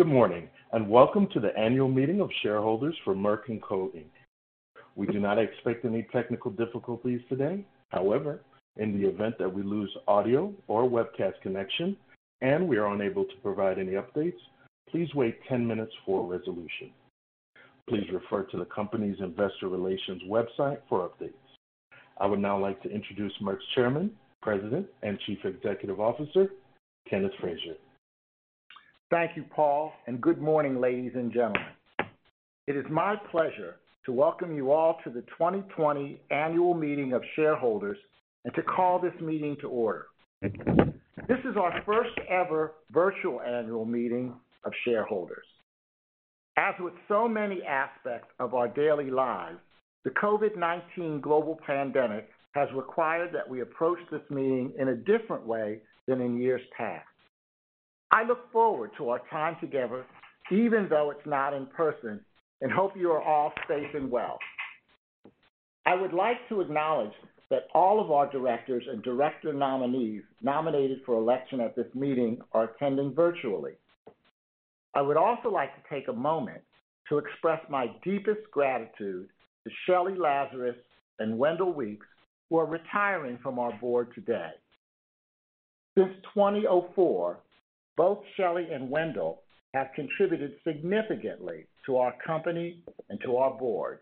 Good morning, welcome to the annual meeting of shareholders for Merck & Co, Inc. We do not expect any technical difficulties today. However, in the event that we lose audio or webcast connection and we are unable to provide any updates, please wait 10 minutes for a resolution. Please refer to the company's investor relations website for updates. I would now like to introduce Merck's Chairman, President, and Chief Executive Officer, Kenneth Frazier. Thank you, Paul, and good morning, ladies and gentlemen. It is my pleasure to welcome you all to the 2020 annual meeting of shareholders and to call this meeting to order. This is our first ever virtual annual meeting of shareholders. As with so many aspects of our daily lives, the COVID-19 global pandemic has required that we approach this meeting in a different way than in years past. I look forward to our time together, even though it's not in person, and hope you are all safe and well. I would like to acknowledge that all of our directors and director nominees nominated for election at this meeting are attending virtually. I would also like to take a moment to express my deepest gratitude to Shelly Lazarus and Wendell Weeks, who are retiring from our board today. Since 2004, both Shelly and Wendell have contributed significantly to our company and to our board,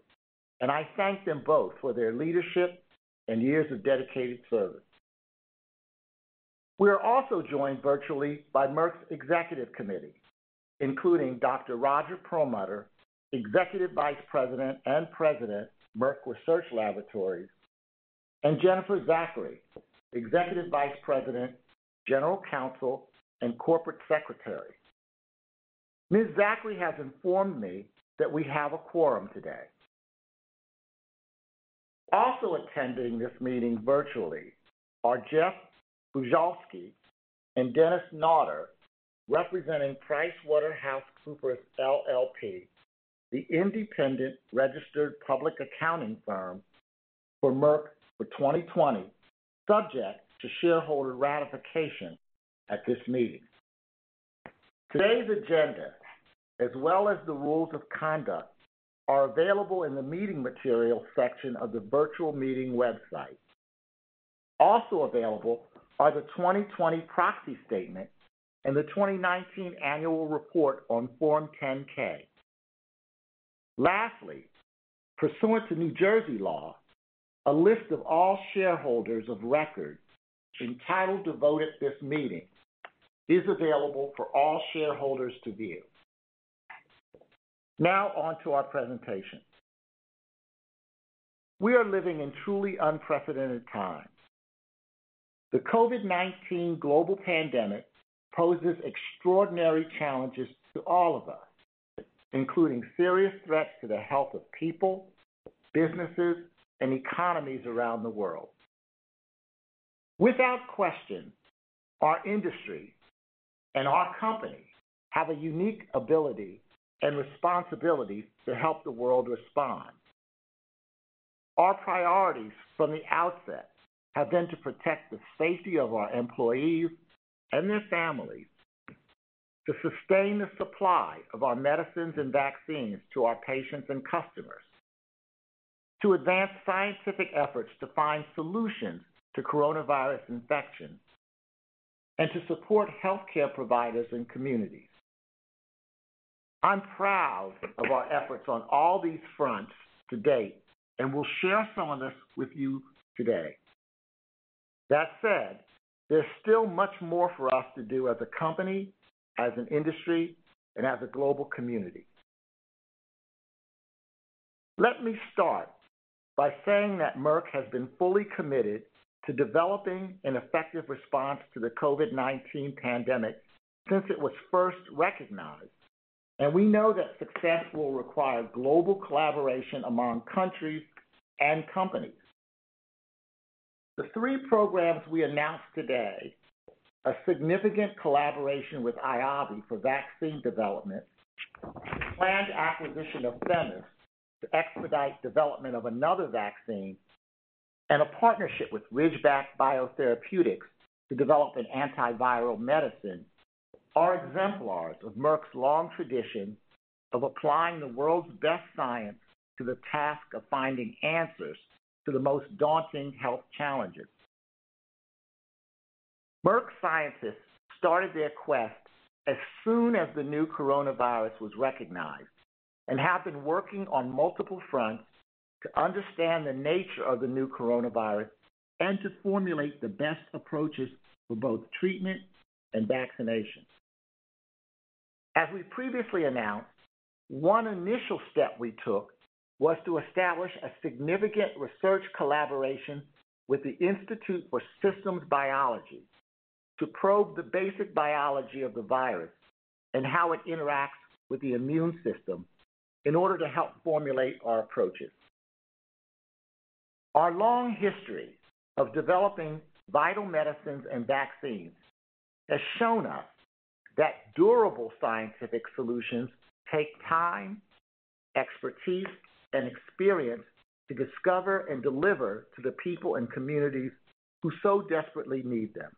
and I thank them both for their leadership and years of dedicated service. We are also joined virtually by Merck's Executive Committee, including Dr. Roger Perlmutter, Executive Vice President and President, Merck Research Laboratories, and Jennifer Zachary, Executive Vice President, General Counsel, and Corporate Secretary. Ms. Zachary has informed me that we have a quorum today. Also attending this meeting virtually are Jeff Bujalski and Dennis Nader, representing PricewaterhouseCoopers LLP, the independent registered public accounting firm for Merck for 2020, subject to shareholder ratification at this meeting. Today's agenda, as well as the rules of conduct, are available in the meeting materials section of the virtual meeting website. Also available are the 2020 proxy statement and the 2019 annual report on Form 10-K. Lastly, pursuant to New Jersey law, a list of all shareholders of records entitled to vote at this meeting is available for all shareholders to view. Now on to our presentation. We are living in truly unprecedented times. The COVID-19 global pandemic poses extraordinary challenges to all of us, including serious threats to the health of people, businesses, and economies around the world. Without question, our industry and our company have a unique ability and responsibility to help the world respond. Our priorities from the outset have been to protect the safety of our employees and their families, to sustain the supply of our medicines and vaccines to our patients and customers, to advance scientific efforts to find solutions to coronavirus infections, and to support healthcare providers and communities. I'm proud of our efforts on all these fronts to date and will share some of this with you today. That said, there's still much more for us to do as a company, as an industry, and as a global community. Let me start by saying that Merck has been fully committed to developing an effective response to the COVID-19 pandemic since it was first recognized, and we know that success will require global collaboration among countries and companies. The three programs we announced today, a significant collaboration with IAVI for vaccine development, the planned acquisition of Themis to expedite development of another vaccine, and a partnership with Ridgeback Biotherapeutics to develop an antiviral medicine, are exemplars of Merck's long tradition of applying the world's best science to the task of finding answers to the most daunting health challenges. Merck scientists started their quest as soon as the new coronavirus was recognized and have been working on multiple fronts to understand the nature of the new coronavirus and to formulate the best approaches for both treatment and vaccination. As we previously announced, one initial step we took was to establish a significant research collaboration with the Institute for Systems Biology to probe the basic biology of the virus and how it interacts with the immune system in order to help formulate our approaches. Our long history of developing vital medicines and vaccines has shown us that durable scientific solutions take time-expertise, and experience to discover and deliver to the people and communities who so desperately need them.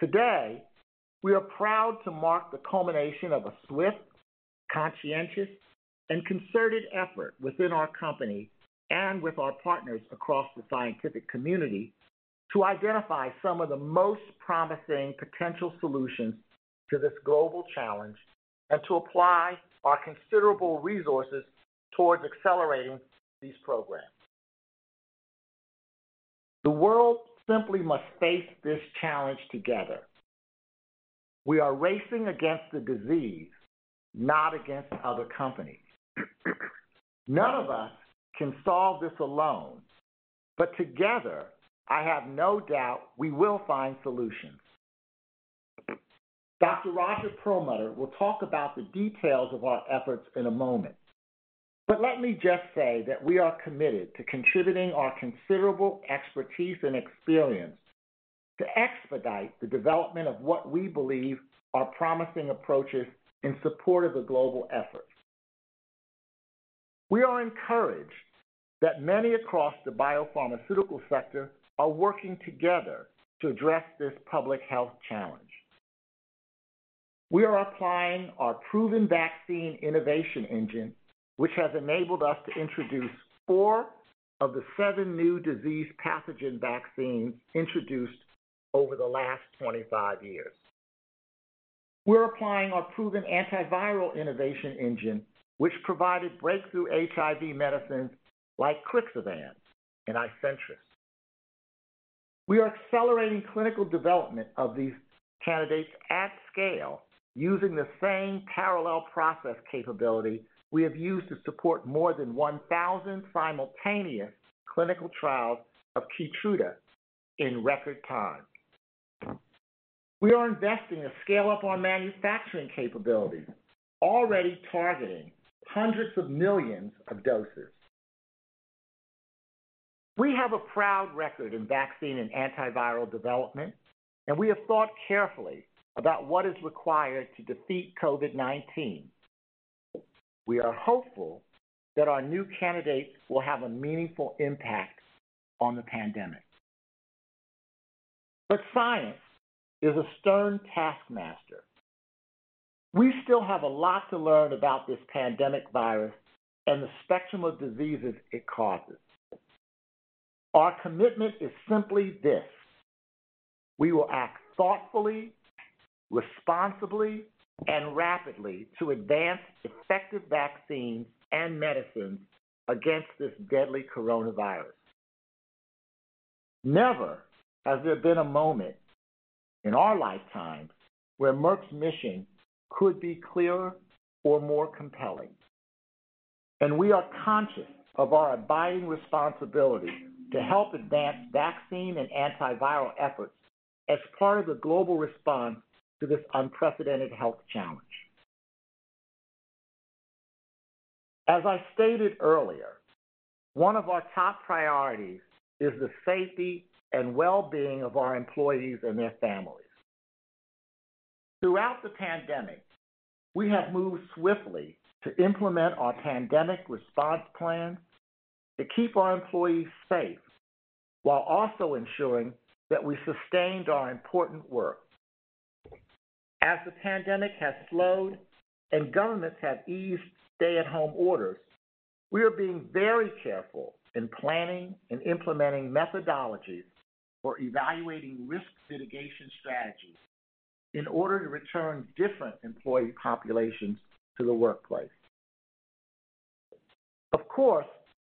Today, we are proud to mark the culmination of a swift, conscientious, and concerted effort within our company and with our partners across the scientific community to identify some of the most promising potential solutions to this global challenge, and to apply our considerable resources towards accelerating these programs. The world simply must face this challenge together. We are racing against the disease, not against other companies. None of us can solve this alone, but together, I have no doubt we will find solutions. Dr. Roger Perlmutter will talk about the details of our efforts in a moment, but let me just say that we are committed to contributing our considerable expertise and experience to expedite the development of what we believe are promising approaches in support of the global effort. We are encouraged that many across the biopharmaceutical sector are working together to address this public health challenge. We are applying our proven vaccine innovation engine, which has enabled us to introduce four of the seven new disease pathogen vaccines introduced over the last 25 years. We're applying our proven antiviral innovation engine, which provided breakthrough HIV medicines like CRIXIVAN and ISENTRESS. We are accelerating clinical development of these candidates at scale using the same parallel process capability we have used to support more than 1,000 simultaneous clinical trials of KEYTRUDA in record time. We are investing to scale up our manufacturing capability, already targeting hundreds of millions of doses. We have a proud record in vaccine and antiviral development, and we have thought carefully about what is required to defeat COVID-19. We are hopeful that our new candidate will have a meaningful impact on the pandemic. Science is a stern taskmaster. We still have a lot to learn about this pandemic virus and the spectrum of diseases it causes. Our commitment is simply this: we will act thoughtfully, responsibly, and rapidly to advance effective vaccines and medicines against this deadly coronavirus. Never has there been a moment in our lifetime where Merck's mission could be clearer or more compelling. We are conscious of our abiding responsibility to help advance vaccine and antiviral efforts as part of the global response to this unprecedented health challenge. As I stated earlier, one of our top priorities is the safety and well-being of our employees and their families. Throughout the pandemic, we have moved swiftly to implement our pandemic response plan to keep our employees safe while also ensuring that we sustained our important work. As the pandemic has slowed and governments have eased stay-at-home orders, we are being very careful in planning and implementing methodologies for evaluating risk mitigation strategies in order to return different employee populations to the workplace. Of course,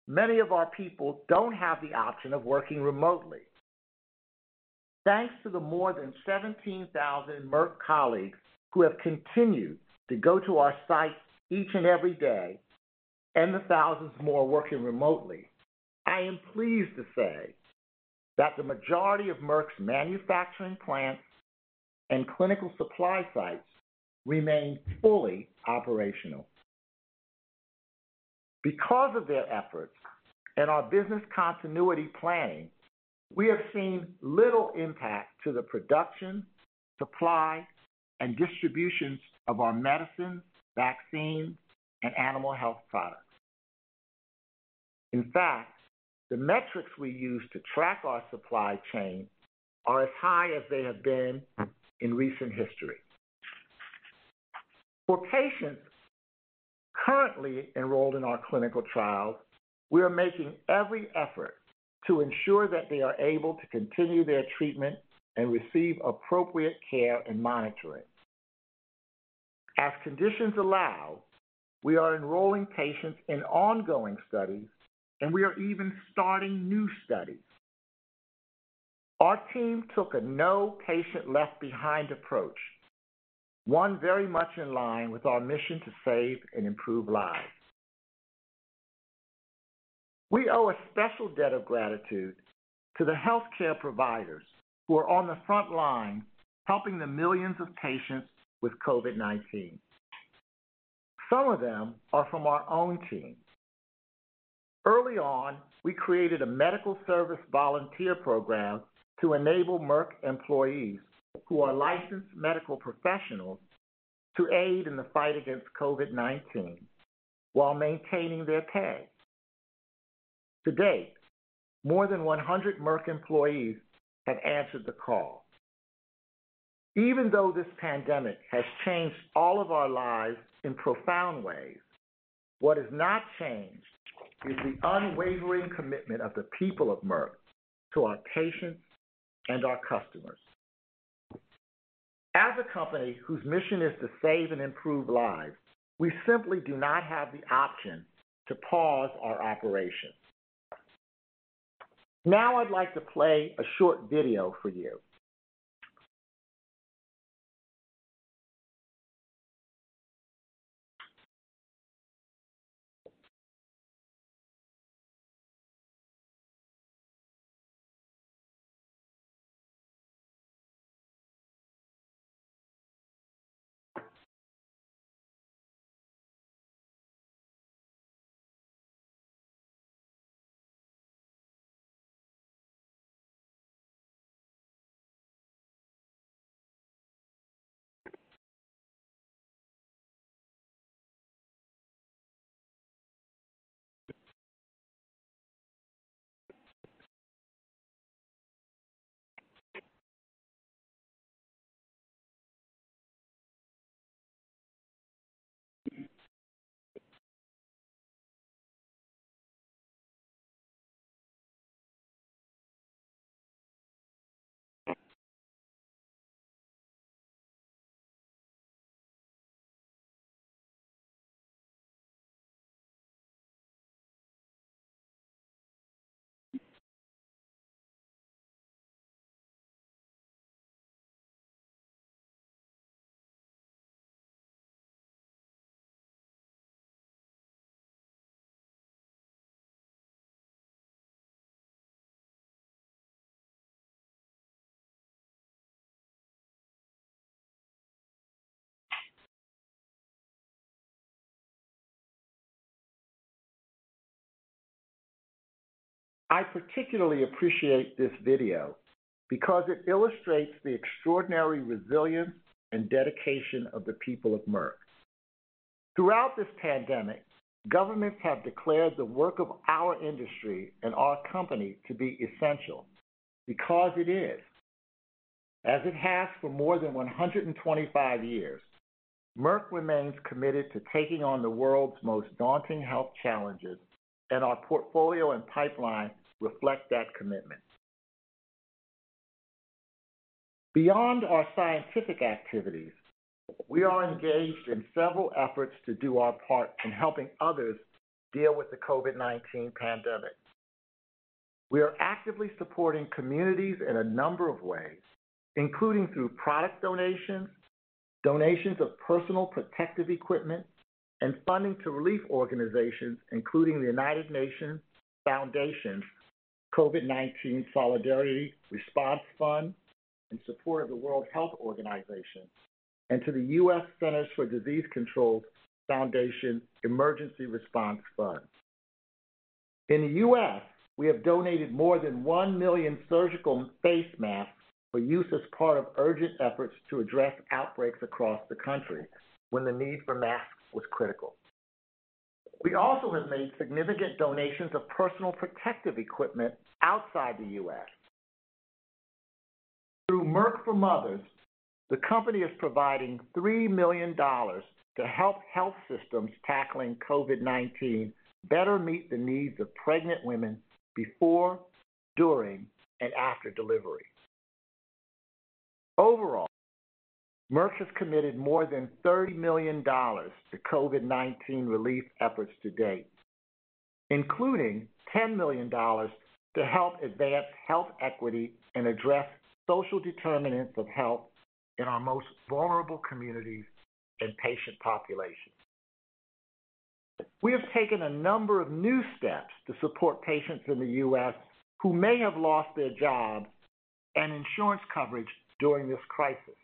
many of our people don't have the option of working remotely. Thanks to the more than 17,000 Merck colleagues who have continued to go to our sites each and every day, and the thousands more working remotely, I am pleased to say that the majority of Merck's manufacturing plants and clinical supply sites remain fully operational. Because of their efforts and our business continuity planning, we have seen little impact to the production, supply, and distribution of our medicines, vaccines, and animal health products. In fact, the metrics we use to track our supply chain are as high as they have been in recent history. For patients currently enrolled in our clinical trials, we are making every effort to ensure that they are able to continue their treatment and receive appropriate care and monitoring. As conditions allow, we are enrolling patients in ongoing studies, and we are even starting new studies. Our team took a no patient left behind approach, one very much in line with our mission to save and improve lives. We owe a special debt of gratitude to the healthcare providers who are on the front lines helping the millions of patients with COVID-19. Some of them are from our own team. Early on, we created a medical service volunteer program to enable Merck employees who are licensed medical professionals to aid in the fight against COVID-19 while maintaining their pay. To date, more than 100 Merck employees have answered the call. Even though this pandemic has changed all of our lives in profound ways, what has not changed is the unwavering commitment of the people of Merck to our patients and our customers. As a company whose mission is to save and improve lives, we simply do not have the option to pause our operations. Now I'd like to play a short video for you. I particularly appreciate this video because it illustrates the extraordinary resilience and dedication of the people of Merck. Throughout this pandemic, governments have declared the work of our industry and our company to be essential, because it is. As it has for more than 125 years, Merck remains committed to taking on the world's most daunting health challenges, and our portfolio and pipeline reflect that commitment. Beyond our scientific activities, we are engaged in several efforts to do our part in helping others deal with the COVID-19 pandemic. We are actively supporting communities in a number of ways, including through product donations of personal protective equipment, and funding to relief organizations, including the United Nations Foundation's COVID-19 Solidarity Response Fund, in support of the World Health Organization, and to the CDC Foundation Emergency Response Fund. In the U.S., we have donated more than 1 million surgical face masks for use as part of urgent efforts to address outbreaks across the country when the need for masks was critical. We also have made significant donations of personal protective equipment outside the U.S. Through Merck for Mothers, the company is providing $3 million to help health systems tackling COVID-19 better meet the needs of pregnant women before, during, and after delivery. Overall, Merck has committed more than $30 million to COVID-19 relief efforts to date, including $10 million to help advance health equity and address social determinants of health in our most vulnerable communities and patient populations. We have taken a number of new steps to support patients in the U.S. who may have lost their job and insurance coverage during this crisis,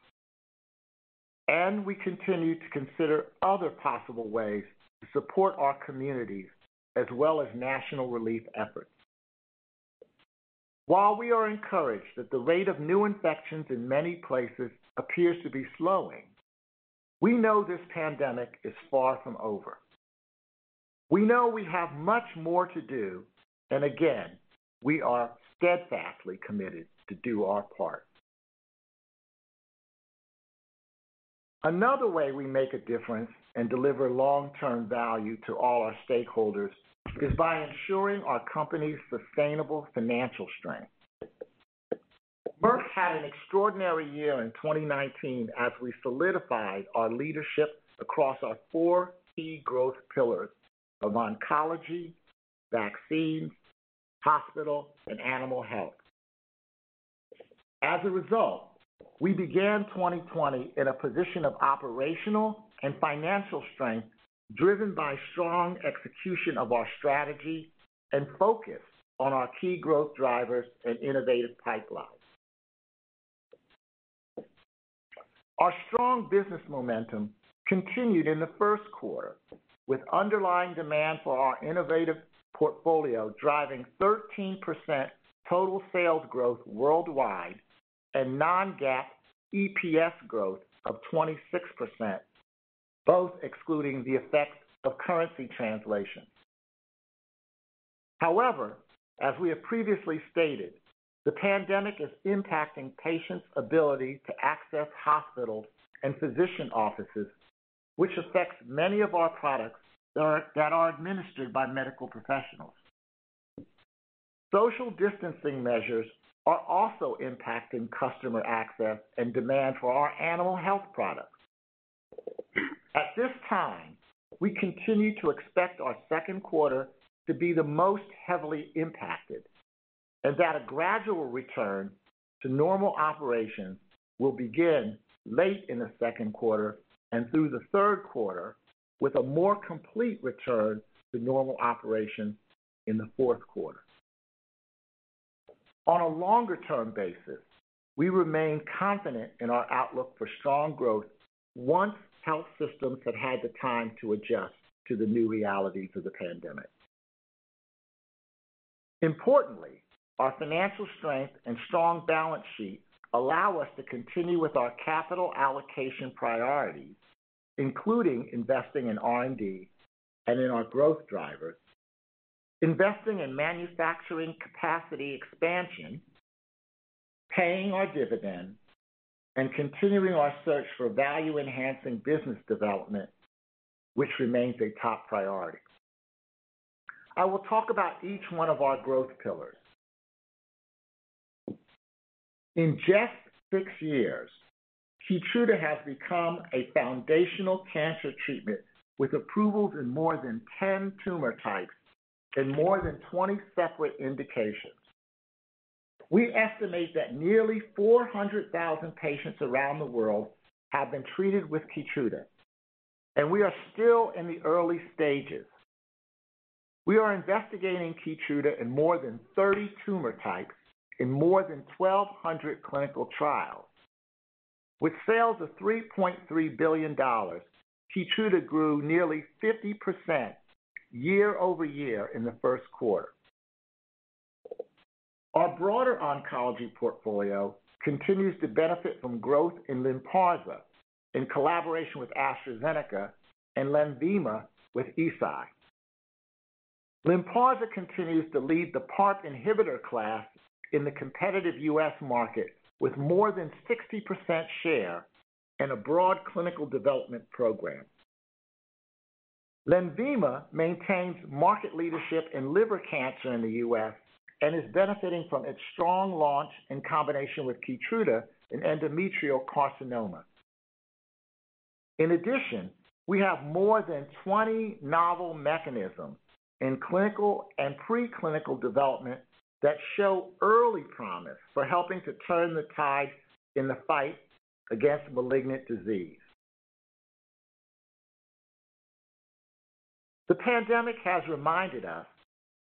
and we continue to consider other possible ways to support our communities as well as national relief efforts. While we are encouraged that the rate of new infections in many places appears to be slowing, we know this pandemic is far from over. We know we have much more to do, and again, we are steadfastly committed to do our part. Another way we make a difference and deliver long-term value to all our stakeholders is by ensuring our company's sustainable financial strength. Merck had an extraordinary year in 2019 as we solidified our leadership across our four key growth pillars of oncology, vaccines, hospital, and animal health. As a result, we began 2020 in a position of operational and financial strength, driven by strong execution of our strategy and focus on our key growth drivers and innovative pipelines. Our strong business momentum continued in the first quarter with underlying demand for our innovative portfolio driving 13% total sales growth worldwide and non-GAAP EPS growth of 26%, both excluding the effects of currency translations. However, as we have previously stated, the pandemic is impacting patients' ability to access hospitals and physician offices, which affects many of our products that are administered by medical professionals. Social distancing measures are also impacting customer access and demand for our animal health products. At this time, we continue to expect our second quarter to be the most heavily impacted, and that a gradual return to normal operations will begin late in the second quarter and through the third quarter, with a more complete return to normal operations in the fourth quarter. On a longer-term basis, we remain confident in our outlook for strong growth once health systems have had the time to adjust to the new reality through the pandemic. Importantly, our financial strength and strong balance sheet allow us to continue with our capital allocation priorities, including investing in R&D and in our growth drivers, investing in manufacturing capacity expansion, paying our dividends, and continuing our search for value-enhancing business development, which remains a top priority. I will talk about each one of our growth pillars. In just six years, KEYTRUDA has become a foundational cancer treatment with approvals in more than 10 tumor types and more than 20 separate indications. We estimate that nearly 400,000 patients around the world have been treated with KEYTRUDA, and we are still in the early stages. We are investigating KEYTRUDA in more than 30 tumor types in more than 1,200 clinical trials. With sales of $3.3 billion, KEYTRUDA grew nearly 50% year-over-year in the first quarter. Our broader oncology portfolio continues to benefit from growth in LYNPARZA in collaboration with AstraZeneca and LENVIMA with Eisai. LYNPARZA continues to lead the PARP inhibitor class in the competitive U.S. market, with more than 60% share and a broad clinical development program. LENVIMA maintains market leadership in liver cancer in the U.S. and is benefiting from its strong launch in combination with KEYTRUDA in endometrial carcinoma. In addition, we have more than 20 novel mechanisms in clinical and pre-clinical development that show early promise for helping to turn the tide in the fight against malignant disease. The pandemic has reminded us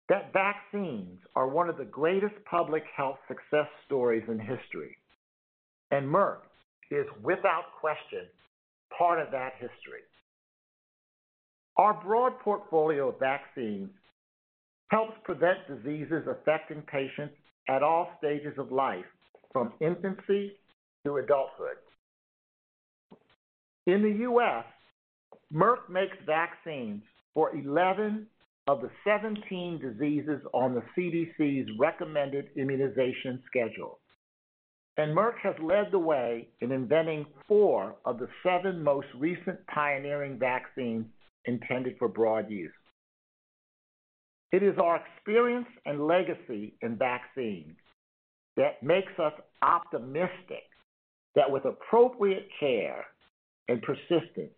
that vaccines are one of the greatest public health success stories in history, and Merck is, without question, part of that history. Our broad portfolio of vaccines helps prevent diseases affecting patients at all stages of life, from infancy to adulthood. In the U.S., Merck makes vaccines for 11 of the 17 diseases on the CDC's recommended immunization schedule. Merck has led the way in inventing four of the seven most recent pioneering vaccines intended for broad use. It is our experience and legacy in vaccines that makes us optimistic that with appropriate care and persistence,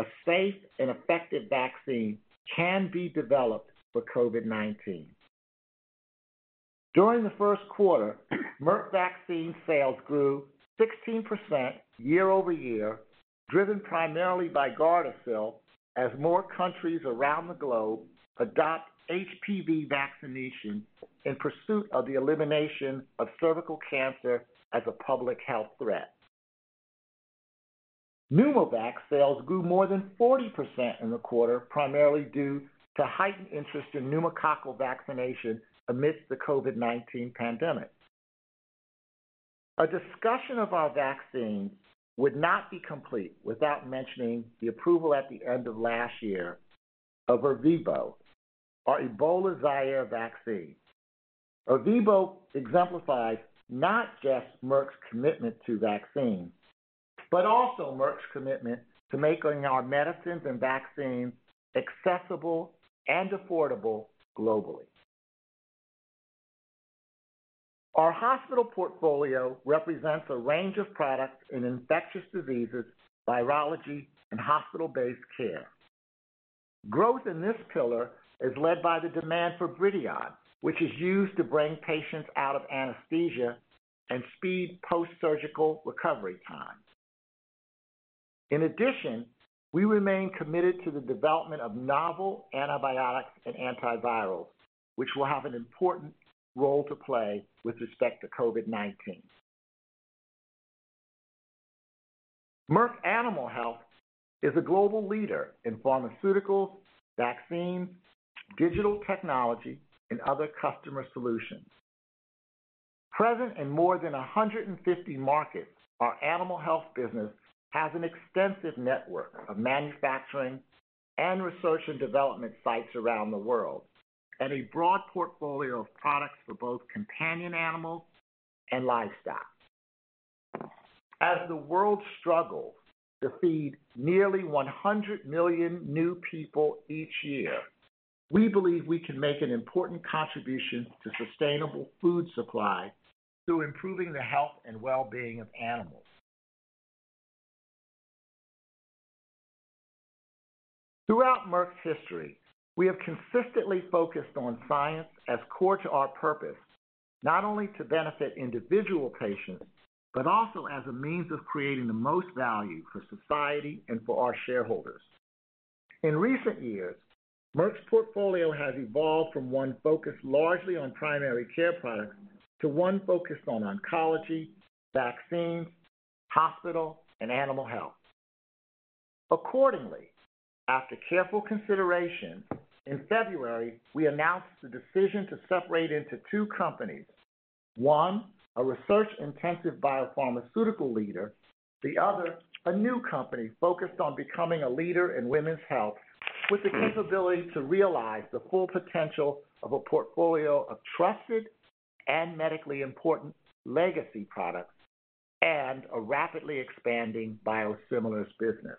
a safe and effective vaccine can be developed for COVID-19. During the first quarter, Merck vaccine sales grew 16% year-over-year, driven primarily by GARDASIL as more countries around the globe adopt HPV vaccination in pursuit of the elimination of cervical cancer as a public health threat. Pneumovax sales grew more than 40% in the quarter, primarily due to heightened interest in pneumococcal vaccination amidst the COVID-19 pandemic. A discussion of our vaccines would not be complete without mentioning the approval at the end of last year of ERVEBO, our Ebola Zaire vaccine. ERVEBO exemplifies not just Merck's commitment to vaccines, but also Merck's commitment to making our medicines and vaccines accessible and affordable globally. Our hospital portfolio represents a range of products in infectious diseases, virology, and hospital-based care. Growth in this pillar is led by the demand for BRIDION, which is used to bring patients out of anesthesia and speed post-surgical recovery. In addition, we remain committed to the development of novel antibiotics and antivirals, which will have an important role to play with respect to COVID-19. Merck Animal Health is a global leader in pharmaceuticals, vaccines, digital technology, and other customer solutions. Present in more than 150 markets, our animal health business has an extensive network of manufacturing and research and development sites around the world, and a broad portfolio of products for both companion animals and livestock. As the world struggles to feed nearly 100 million new people each year, we believe we can make an important contribution to sustainable food supply through improving the health and well-being of animals. Throughout Merck's history, we have consistently focused on science as core to our purpose, not only to benefit individual patients, but also as a means of creating the most value for society and for our shareholders. In recent years, Merck's portfolio has evolved from one focused largely on primary care products, to one focused on oncology, vaccines, hospital, and animal health. Accordingly, after careful consideration, in February, we announced the decision to separate into two companies, one a research-intensive biopharmaceutical leader, the other a new company focused on becoming a leader in women's health with the capability to realize the full potential of a portfolio of trusted and medically important legacy products, and a rapidly expanding biosimilars business.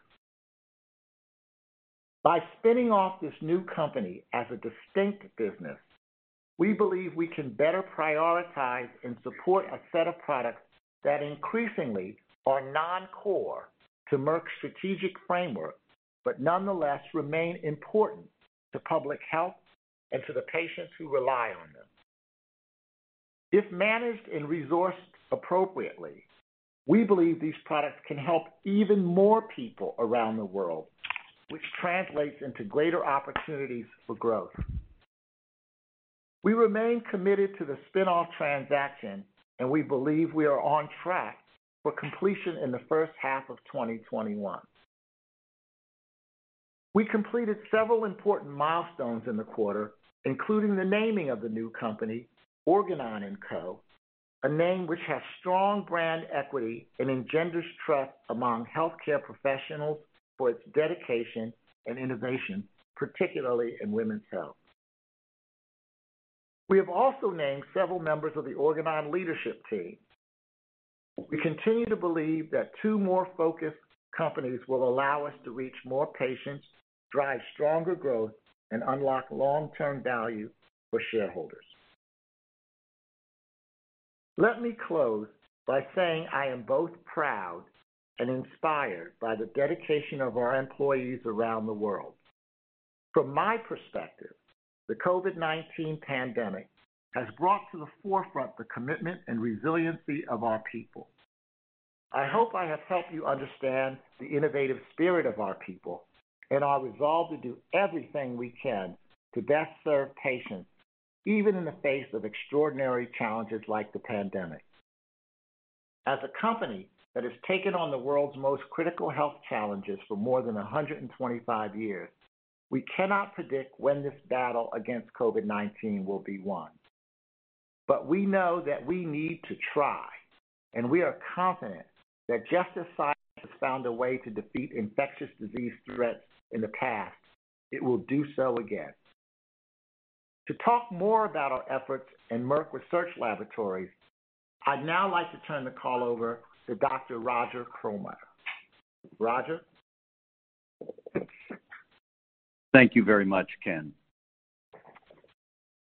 By spinning off this new company as a distinct business, we believe we can better prioritize and support a set of products that increasingly are non-core to Merck's strategic framework. Nonetheless, remain important to public health and to the patients who rely on them. If managed and resourced appropriately, we believe these products can help even more people around the world, which translates into greater opportunities for growth. We remain committed to the spin-off transaction. We believe we are on track for completion in the first half of 2021. We completed several important milestones in the quarter, including the naming of the new company, Organon & Co, a name which has strong brand equity and engenders trust among healthcare professionals for its dedication and innovation, particularly in women's health. We have also named several members of the Organon leadership team. We continue to believe that two more focused companies will allow us to reach more patients, drive stronger growth, and unlock long-term value for shareholders. Let me close by saying I am both proud and inspired by the dedication of our employees around the world. From my perspective, the COVID-19 pandemic has brought to the forefront the commitment and resiliency of our people. I hope I have helped you understand the innovative spirit of our people and our resolve to do everything we can to best serve patients, even in the face of extraordinary challenges like the pandemic. As a company that has taken on the world's most critical health challenges for more than 125 years, we cannot predict when this battle against COVID-19 will be won. We know that we need to try, and we are confident that just as science has found a way to defeat infectious disease threats in the past, it will do so again. To talk more about our efforts in Merck Research Laboratories, I’d now like to turn the call over to Dr. Roger Perlmutter. Roger? Thank you very much, Ken.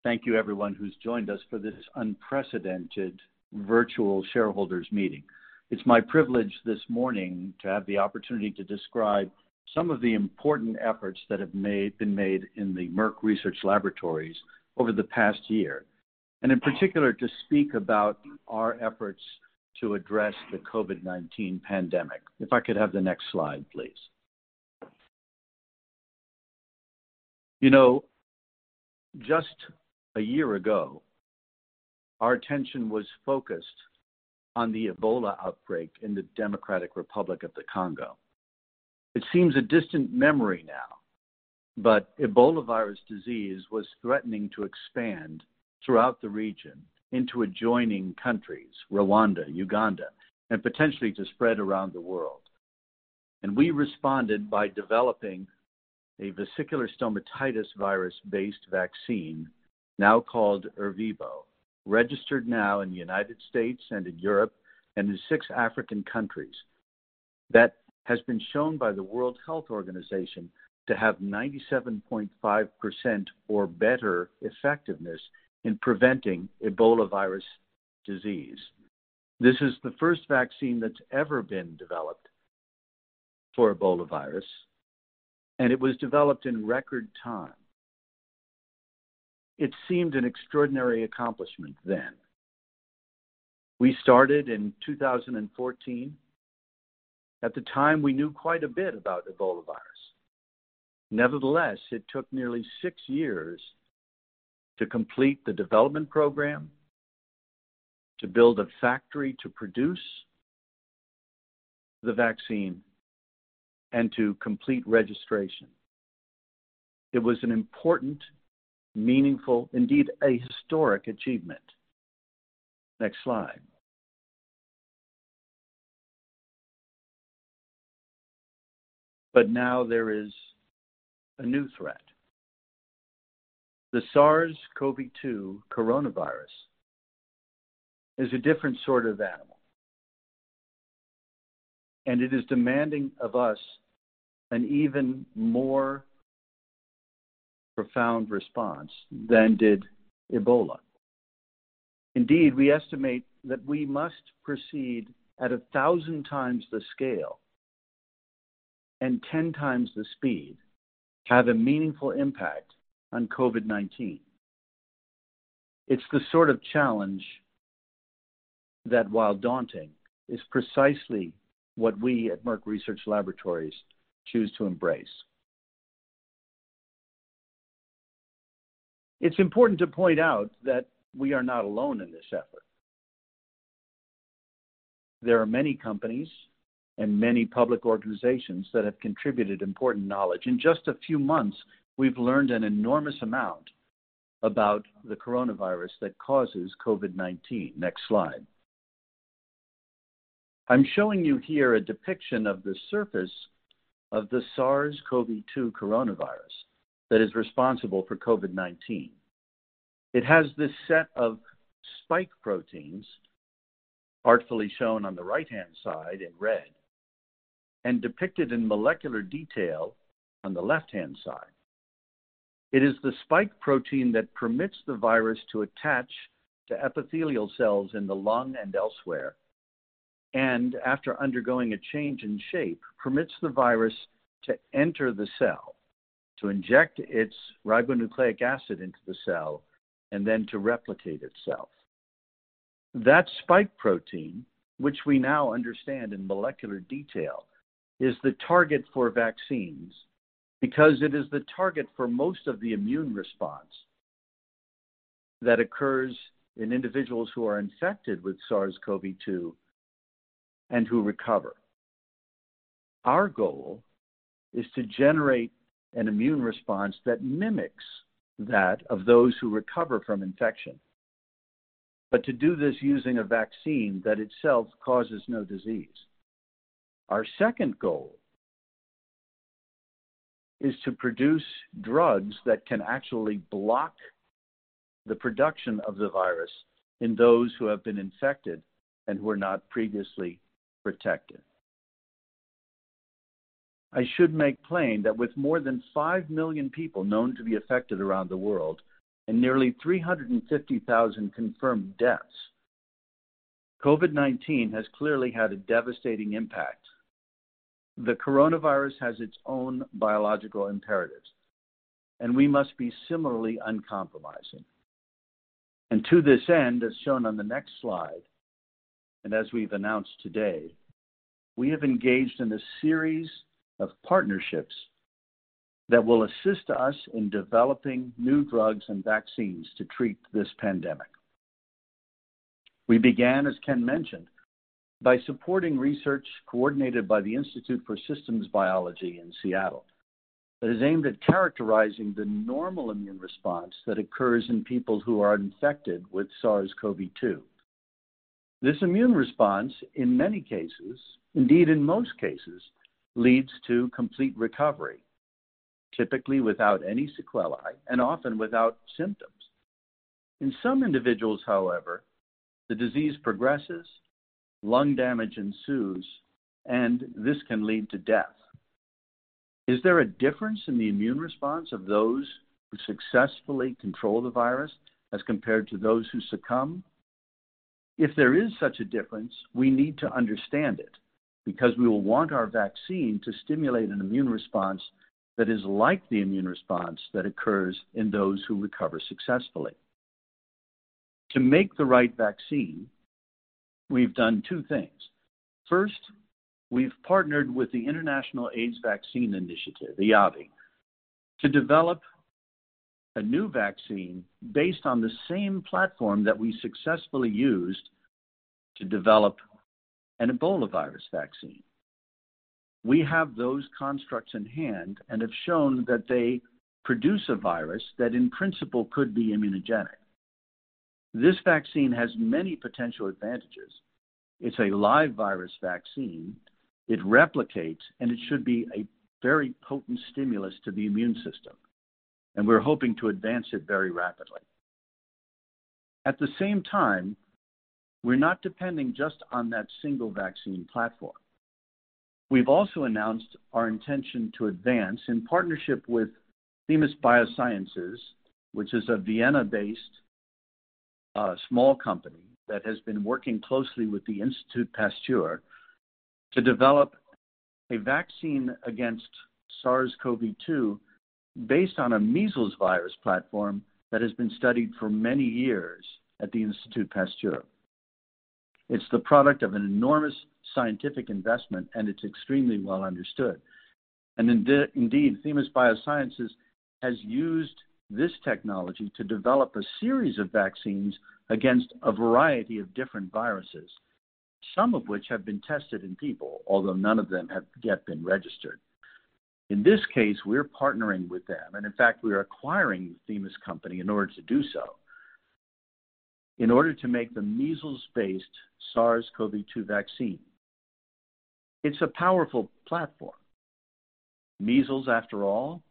Thank you everyone who's joined us for this unprecedented virtual shareholders meeting. It's my privilege this morning to have the opportunity to describe some of the important efforts that have been made in the Merck Research Laboratories over the past year, and in particular, to speak about our efforts to address the COVID-19 pandemic. If I could have the next slide, please. Just a year ago, our attention was focused on the Ebola outbreak in the Democratic Republic of the Congo. It seems a distant memory now. Ebola virus disease was threatening to expand throughout the region into adjoining countries, Rwanda, Uganda, and potentially to spread around the world. We responded by developing a vesicular stomatitis virus-based vaccine, now called ERVEBO, registered now in the U.S. and in Europe and in six African countries, that has been shown by the World Health Organization to have 97.5% or better effectiveness in preventing Ebola virus disease. This is the first vaccine that's ever been developed for Ebola virus, and it was developed in record time. It seemed an extraordinary accomplishment then. We started in 2014. At the time, we knew quite a bit about Ebola virus. Nevertheless, it took nearly six years to complete the development program, to build a factory to produce the vaccine, and to complete registration. It was an important, meaningful, indeed, a historic achievement. Next slide. Now there is a new threat. The SARS-CoV-2 coronavirus is a different sort of animal, and it is demanding of us an even more profound response than did Ebola. Indeed, we estimate that we must proceed at 1,000 times the scale and 10 times the speed to have a meaningful impact on COVID-19. It's the sort of challenge that, while daunting, is precisely what we at Merck Research Laboratories choose to embrace. It's important to point out that we are not alone in this effort. There are many companies and many public organizations that have contributed important knowledge. In just a few months, we've learned an enormous amount about the coronavirus that causes COVID-19. Next slide. I'm showing you here a depiction of the surface of the SARS-CoV-2 coronavirus that is responsible for COVID-19. It has this set of spike proteins artfully shown on the right-hand side in red, and depicted in molecular detail on the left-hand side. It is the spike protein that permits the virus to attach to epithelial cells in the lung and elsewhere, and after undergoing a change in shape, permits the virus to enter the cell to inject its ribonucleic acid into the cell, and then to replicate itself. That spike protein, which we now understand in molecular detail, is the target for vaccines because it is the target for most of the immune response that occurs in individuals who are infected with SARS-CoV-2 and who recover. Our goal is to generate an immune response that mimics that of those who recover from infection, but to do this using a vaccine that itself causes no disease. Our second goal is to produce drugs that can actually block the production of the virus in those who have been infected and who were not previously protected. I should make plain that with more than 5 million people known to be affected around the world and nearly 350,000 confirmed deaths, COVID-19 has clearly had a devastating impact. The coronavirus has its own biological imperatives, we must be similarly uncompromising. To this end, as shown on the next slide, as we've announced today, we have engaged in a series of partnerships that will assist us in developing new drugs and vaccines to treat this pandemic. We began, as Ken mentioned, by supporting research coordinated by the Institute for Systems Biology in Seattle that is aimed at characterizing the normal immune response that occurs in people who are infected with SARS-CoV-2. This immune response, in many cases, indeed, in most cases, leads to complete recovery, typically without any sequelae, and often without symptoms. In some individuals, however, the disease progresses, lung damage ensues, and this can lead to death. Is there a difference in the immune response of those who successfully control the virus as compared to those who succumb? If there is such a difference, we need to understand it, because we will want our vaccine to stimulate an immune response that is like the immune response that occurs in those who recover successfully. To make the right vaccine, we've done two things. First, we've partnered with the International AIDS Vaccine Initiative, the IAVI, to develop a new vaccine based on the same platform that we successfully used to develop an Ebola virus vaccine. We have those constructs in hand and have shown that they produce a virus that in principle could be immunogenic. This vaccine has many potential advantages. It's a live virus vaccine. It replicates. It should be a very potent stimulus to the immune system. We're hoping to advance it very rapidly. At the same time, we're not depending just on that single vaccine platform. We've also announced our intention to advance in partnership with Themis Biosciences, which is a Vienna-based small company that has been working closely with the Institut Pasteur to develop a vaccine against SARS-CoV-2 based on a measles virus platform that has been studied for many years at the Institut Pasteur. It's the product of an enormous scientific investment. It's extremely well understood. Indeed, Themis Biosciences has used this technology to develop a series of vaccines against a variety of different viruses, some of which have been tested in people, although none of them have yet been registered. In this case, we're partnering with them, and in fact, we are acquiring Themis company in order to do so, in order to make the measles-based SARS-CoV-2 vaccine. It's a powerful platform. Measles, after all,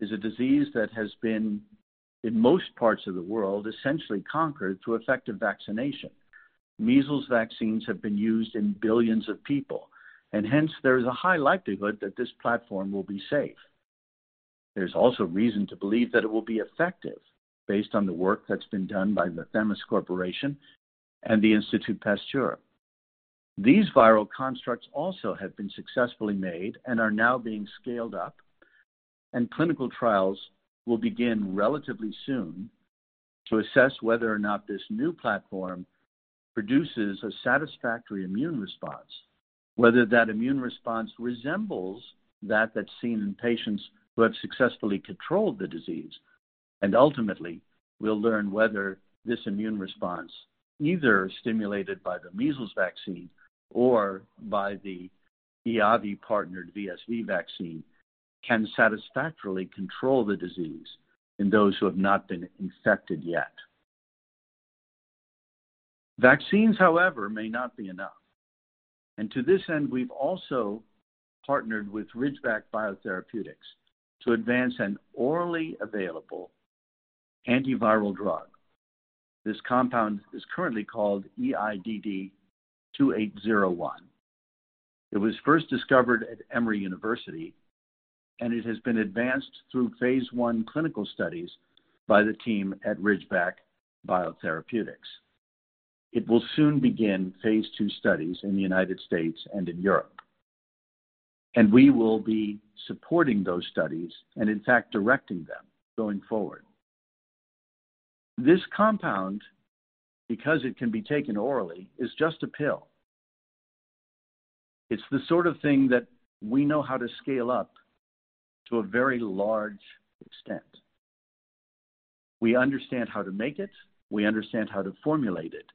is a disease that has been, in most parts of the world, essentially conquered through effective vaccination. Measles vaccines have been used in billions of people, and hence there is a high likelihood that this platform will be safe. There's also reason to believe that it will be effective based on the work that's been done by the Themis Corporation and the Institut Pasteur. These viral constructs also have been successfully made and are now being scaled up. Clinical trials will begin relatively soon to assess whether or not this new platform produces a satisfactory immune response, whether that immune response resembles that's seen in patients who have successfully controlled the disease, and ultimately we'll learn whether this immune response, either stimulated by the measles vaccine or by the IAVI-partnered VSV vaccine, can satisfactorily control the disease in those who have not been infected yet. Vaccines, however, may not be enough, and to this end, we've also partnered with Ridgeback Biotherapeutics to advance an orally available antiviral drug. This compound is currently called EIDD-2801. It was first discovered at Emory University, and it has been advanced through phase I clinical studies by the team at Ridgeback Biotherapeutics. It will soon begin phase II studies in the U.S. and in Europe. We will be supporting those studies and, in fact, directing them going forward. This compound, because it can be taken orally, is just a pill. It's the sort of thing that we know how to scale up to a very large extent. We understand how to make it, we understand how to formulate it.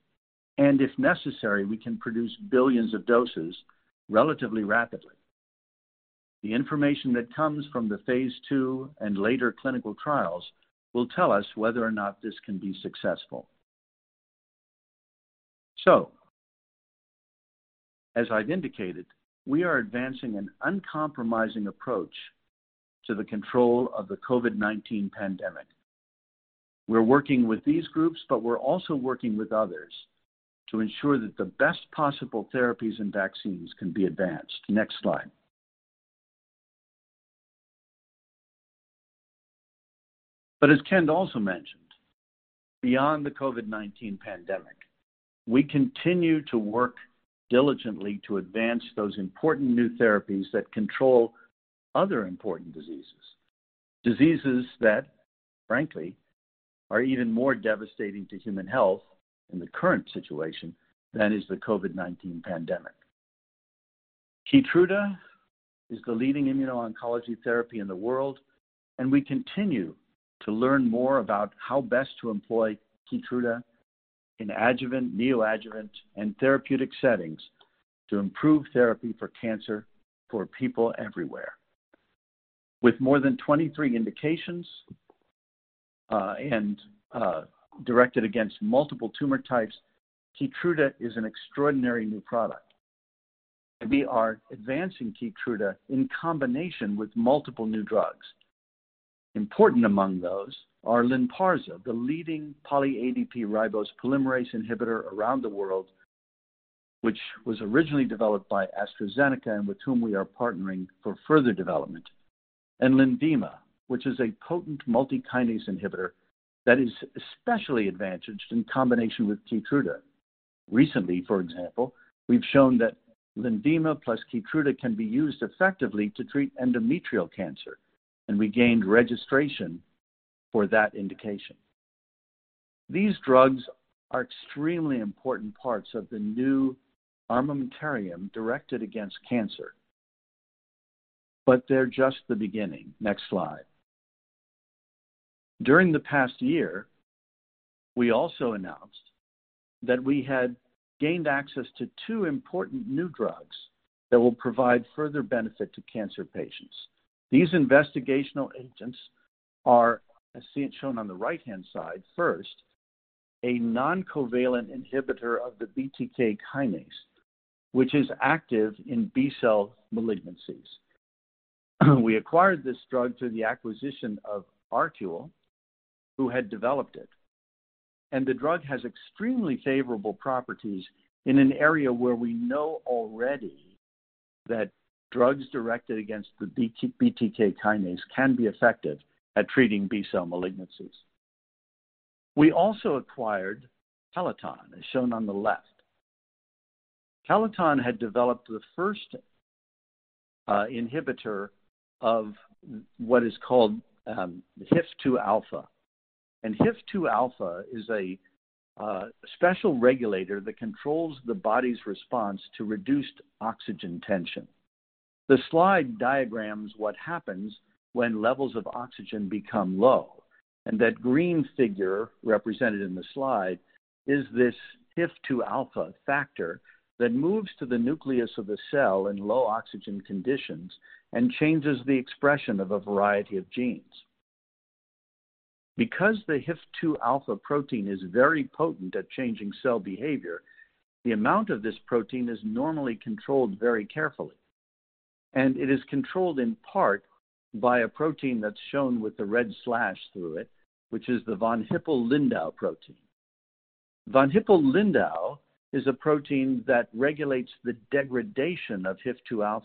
If necessary, we can produce billions of doses relatively rapidly. The information that comes from the phase II and later clinical trials will tell us whether or not this can be successful. As I've indicated, we are advancing an uncompromising approach to the control of the COVID-19 pandemic. We're working with these groups. We're also working with others to ensure that the best possible therapies and vaccines can be advanced. Next slide. As Ken also mentioned, beyond the COVID-19 pandemic, we continue to work diligently to advance those important new therapies that control other important diseases that frankly are even more devastating to human health in the current situation than is the COVID-19 pandemic. Keytruda is the leading immuno-oncology therapy in the world. We continue to learn more about how best to employ Keytruda in adjuvant, neoadjuvant, and therapeutic settings to improve therapy for cancer for people everywhere. With more than 23 indications, and directed against multiple tumor types, Keytruda is an extraordinary new product. We are advancing Keytruda in combination with multiple new drugs. Important among those are LYNPARZA, the leading poly(ADP-ribose) polymerase inhibitor around the world, which was originally developed by AstraZeneca and with whom we are partnering for further development, and LENVIMA, which is a potent multikinase inhibitor that is especially advantaged in combination with KEYTRUDA. Recently, for example, we've shown that LENVIMA plus KEYTRUDA can be used effectively to treat endometrial cancer, and we gained registration for that indication. These drugs are extremely important parts of the new armamentarium directed against cancer, they're just the beginning. Next slide. During the past year, we also announced that we had gained access to two important new drugs that will provide further benefit to cancer patients. These investigational agents are, as seen on the right-hand side, first, a non-covalent inhibitor of the BTK kinase, which is active in B-cell malignancies. We acquired this drug through the acquisition of ArQule, who had developed it, and the drug has extremely favorable properties in an area where we know already that drugs directed against the BTK kinase can be effective at treating B-cell malignancies. We also acquired Peloton, as shown on the left. Peloton had developed the first inhibitor of what is called HIF-2α. HIF-2α is a special regulator that controls the body's response to reduced oxygen tension. The slide diagrams what happens when levels of oxygen become low, and that green figure represented in the slide is this HIF-2α factor that moves to the nucleus of the cell in low oxygen conditions and changes the expression of a variety of genes. Because the HIF-2α protein is very potent at changing cell behavior, the amount of this protein is normally controlled very carefully, and it is controlled in part by a protein that's shown with the red slash through it, which is the Von Hippel-Lindau protein. Von Hippel-Lindau is a protein that regulates the degradation of HIF-2α.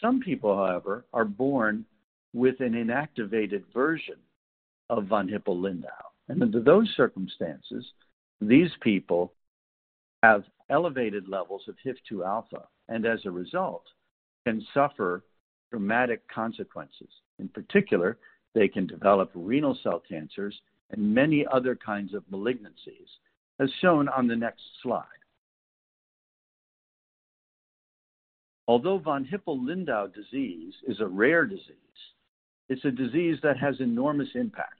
Some people, however, are born with an inactivated version of Von Hippel-Lindau, and under those circumstances, these people have elevated levels of HIF-2α, and as a result can suffer dramatic consequences. In particular, they can develop renal cell cancers and many other kinds of malignancies, as shown on the next slide. Although Von Hippel-Lindau disease is a rare disease, it's a disease that has enormous impact.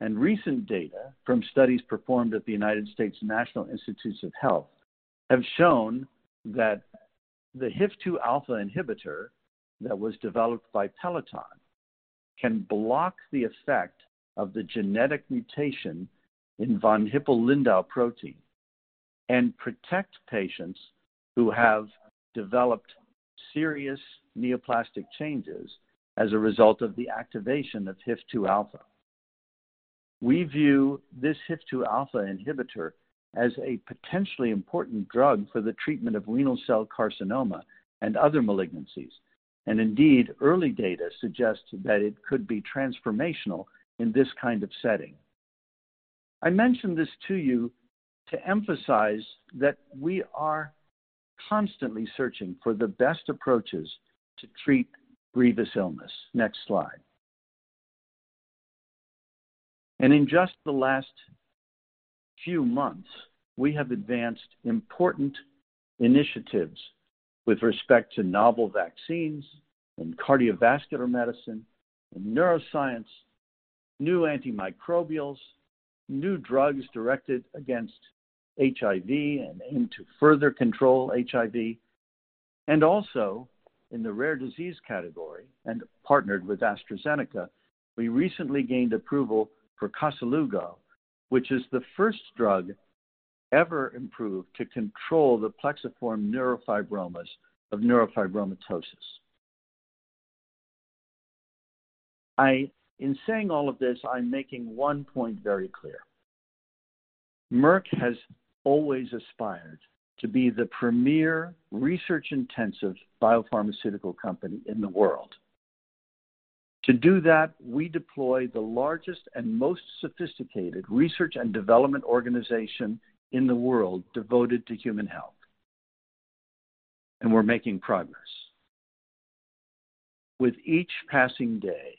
Recent data from studies performed at the U.S. National Institutes of Health have shown that the HIF-2α inhibitor that was developed by Peloton can block the effect of the genetic mutation in Von Hippel-Lindau protein and protect patients who have developed serious neoplastic changes as a result of the activation of HIF-2α. We view this HIF-2α inhibitor as a potentially important drug for the treatment of renal cell carcinoma and other malignancies. Indeed, early data suggests that it could be transformational in this kind of setting. I mention this to you to emphasize that we are constantly searching for the best approaches to treat grievous illness. Next slide. In just the last few months, we have advanced important initiatives with respect to novel vaccines in cardiovascular medicine and neuroscience, new antimicrobials, new drugs directed against HIV and aim to further control HIV, and also in the rare disease category and partnered with AstraZeneca, we recently gained approval for KOSELUGO, which is the first drug ever approved to control the plexiform neurofibromas of neurofibromatosis. In saying all of this, I'm making one point very clear. Merck has always aspired to be the premier research-intensive biopharmaceutical company in the world. To do that, we deploy the largest and most sophisticated research and development organization in the world devoted to human health, and we're making progress. With each passing day,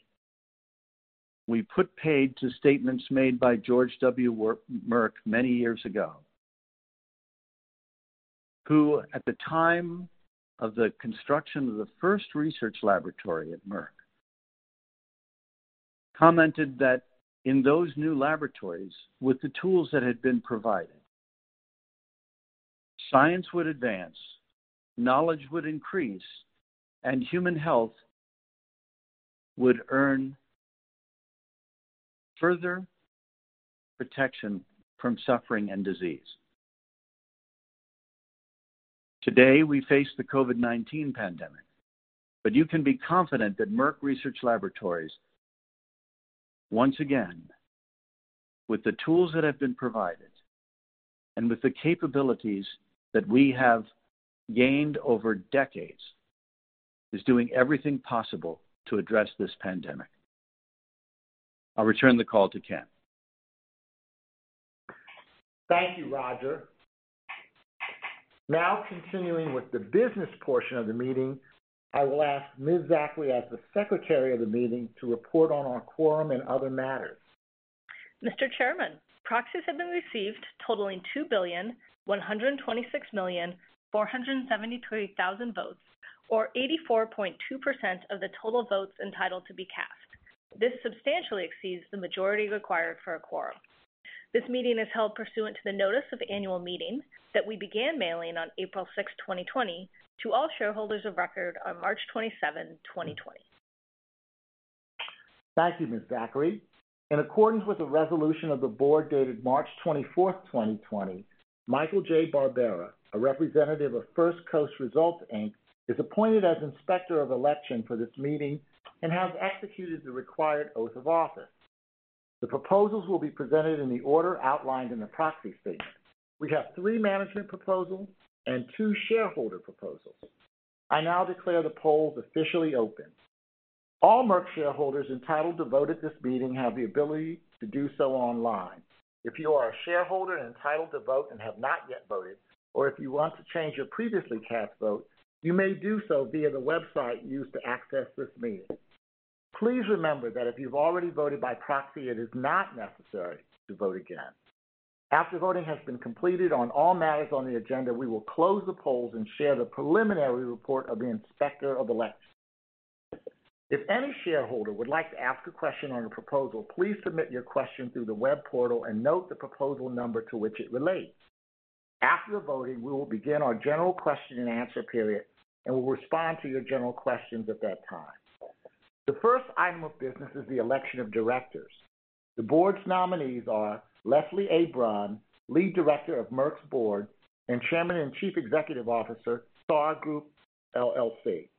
we put paid to statements made by George W. Merck many years ago, who at the time of the construction of the first research laboratory at Merck, commented that in those new laboratories, with the tools that had been provided, science would advance, knowledge would increase, and human health would earn further protection from suffering and disease. Today, we face the COVID-19 pandemic. You can be confident that Merck Research Laboratories, once again, with the tools that have been provided and with the capabilities that we have gained over decades, is doing everything possible to address this pandemic. I'll return the call to Ken. Thank you, Roger. Now continuing with the business portion of the meeting, I will ask Ms. Zachary as the Secretary of the meeting to report on our quorum and other matters. Mr. Chairman, proxies have been received totaling 2,126,473,000 votes, or 84.2% of the total votes entitled to be cast. This substantially exceeds the majority required for a quorum. This meeting is held pursuant to the notice of annual meeting that we began mailing on April 6th, 2020, to all shareholders of record on March 27th, 2020. Thank you, Ms. Zachary. In accordance with the resolution of the board dated March 24th, 2020, Michael J. Barbera, a representative of First Coast Results Inc, is appointed as Inspector of Election for this meeting and has executed the required oath of office. The proposals will be presented in the order outlined in the proxy statement. We have three management proposals and two shareholder proposals. I now declare the polls officially open. All Merck shareholders entitled to vote at this meeting have the ability to do so online. If you are a shareholder and entitled to vote and have not yet voted, or if you want to change your previously cast vote, you may do so via the website used to access this meeting. Please remember that if you've already voted by proxy, it is not necessary to vote again. After voting has been completed on all matters on the agenda, we will close the polls and share the preliminary report of the Inspector of Elections. If any shareholder would like to ask a question on a proposal, please submit your question through the web portal and note the proposal number to which it relates. After the voting, we will begin our general question and answer period and will respond to your general questions at that time. The first item of business is the election of directors. The board's nominees are Leslie A. Brun, Lead Director of Merck's Board and Chairman and Chief Executive Officer, Sarr Group, LLC.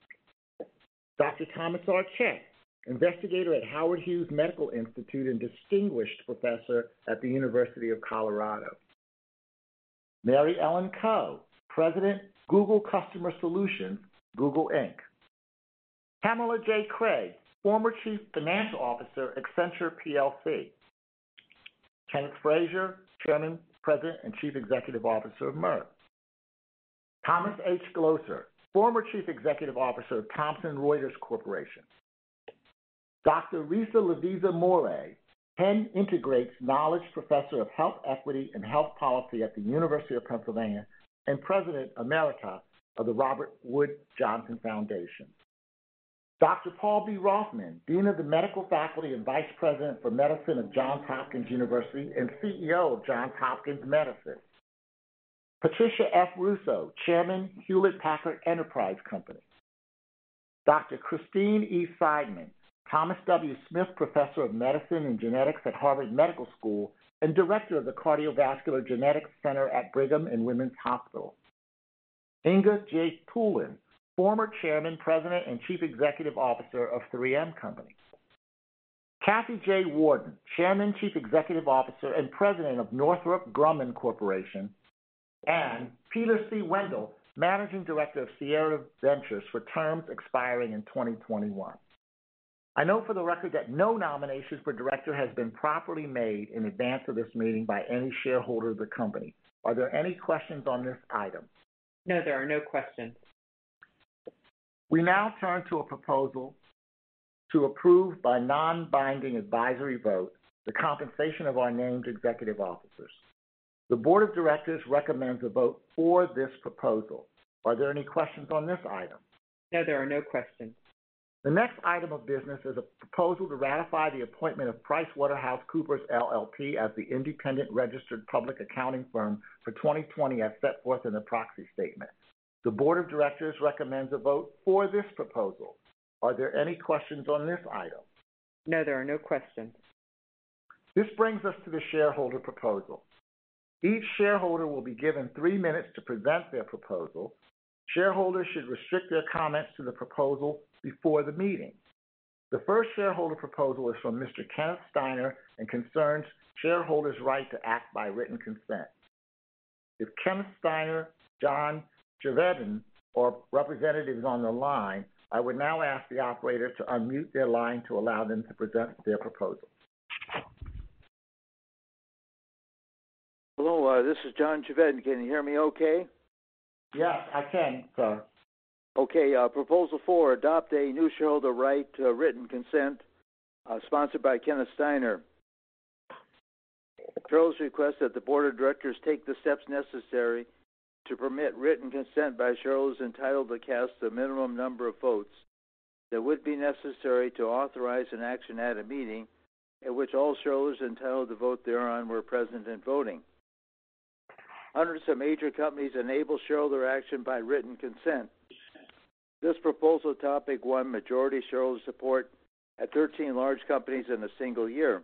Dr. Thomas R. Cech, Investigator at Howard Hughes Medical Institute and Distinguished Professor at the University of Colorado. Mary Ellen Coe, President, Google Customer Solutions, Google LLC. Pamela J. Craig, former Chief Financial Officer, Accenture plc. Kenneth Frazier, Chairman, President, and Chief Executive Officer of Merck. Thomas H. Glocer, former Chief Executive Officer of Thomson Reuters Corporation. Dr. Risa Lavizzo-Mourey, Penn Integrates Knowledge Professor of Health Equity and Health Policy at the University of Pennsylvania, and President Emerita of the Robert Wood Johnson Foundation. Dr. Paul B. Rothman, Dean of the Medical Faculty and Vice President for Medicine of Johns Hopkins University and CEO of Johns Hopkins Medicine. Patricia F. Russo, Chairman, Hewlett Packard Enterprise Company. Dr. Christine E. Seidman, Thomas W. Smith Professor of Medicine and Genetics at Harvard Medical School and Director of the Cardiovascular Genetics Center at Brigham and Women's Hospital. Inge G. Thulin, former Chairman, President, and Chief Executive Officer of 3M Company. Kathy J. Warden, Chairman, Chief Executive Officer, and President of Northrop Grumman Corporation. And Peter C. Wendell, Managing Director of Sierra Ventures for terms expiring in 2021. I note for the record that no nominations for director has been properly made in advance of this meeting by any shareholder of the company. Are there any questions on this item? No, there are no questions. We now turn to a proposal to approve by non-binding advisory vote the compensation of our named executive officers. The board of directors recommends a vote for this proposal. Are there any questions on this item? No, there are no questions. The next item of business is a proposal to ratify the appointment of PricewaterhouseCoopers LLP as the independent registered public accounting firm for 2020 as set forth in the proxy statement. The board of directors recommends a vote for this proposal. Are there any questions on this item? No, there are no questions. This brings us to the shareholder proposal. Each shareholder will be given three minutes to present their proposal. Shareholders should restrict their comments to the proposal before the meeting. The first shareholder proposal is from Mr. Kenneth Steiner and concerns shareholders' right to act by written consent. If Kenneth Steiner, John Chevedden, or representative is on the line, I would now ask the operator to unmute their line to allow them to present their proposal. Hello, this is John Chevedden. Can you hear me okay? Yes, I can sir. Okay, proposal four. Adopt a new shareholder right to written consent, sponsored by Kenneth Steiner. Shareholders request that the board of directors take the steps necessary to permit written consent by shareholders entitled to cast the minimum number of votes that would be necessary to authorize an action at a meeting at which all shareholders entitled to vote thereon were present and voting. Hundreds of major companies enable shareholder action by written consent. This proposal topic won majority shareholder support at 13 large companies in a single year.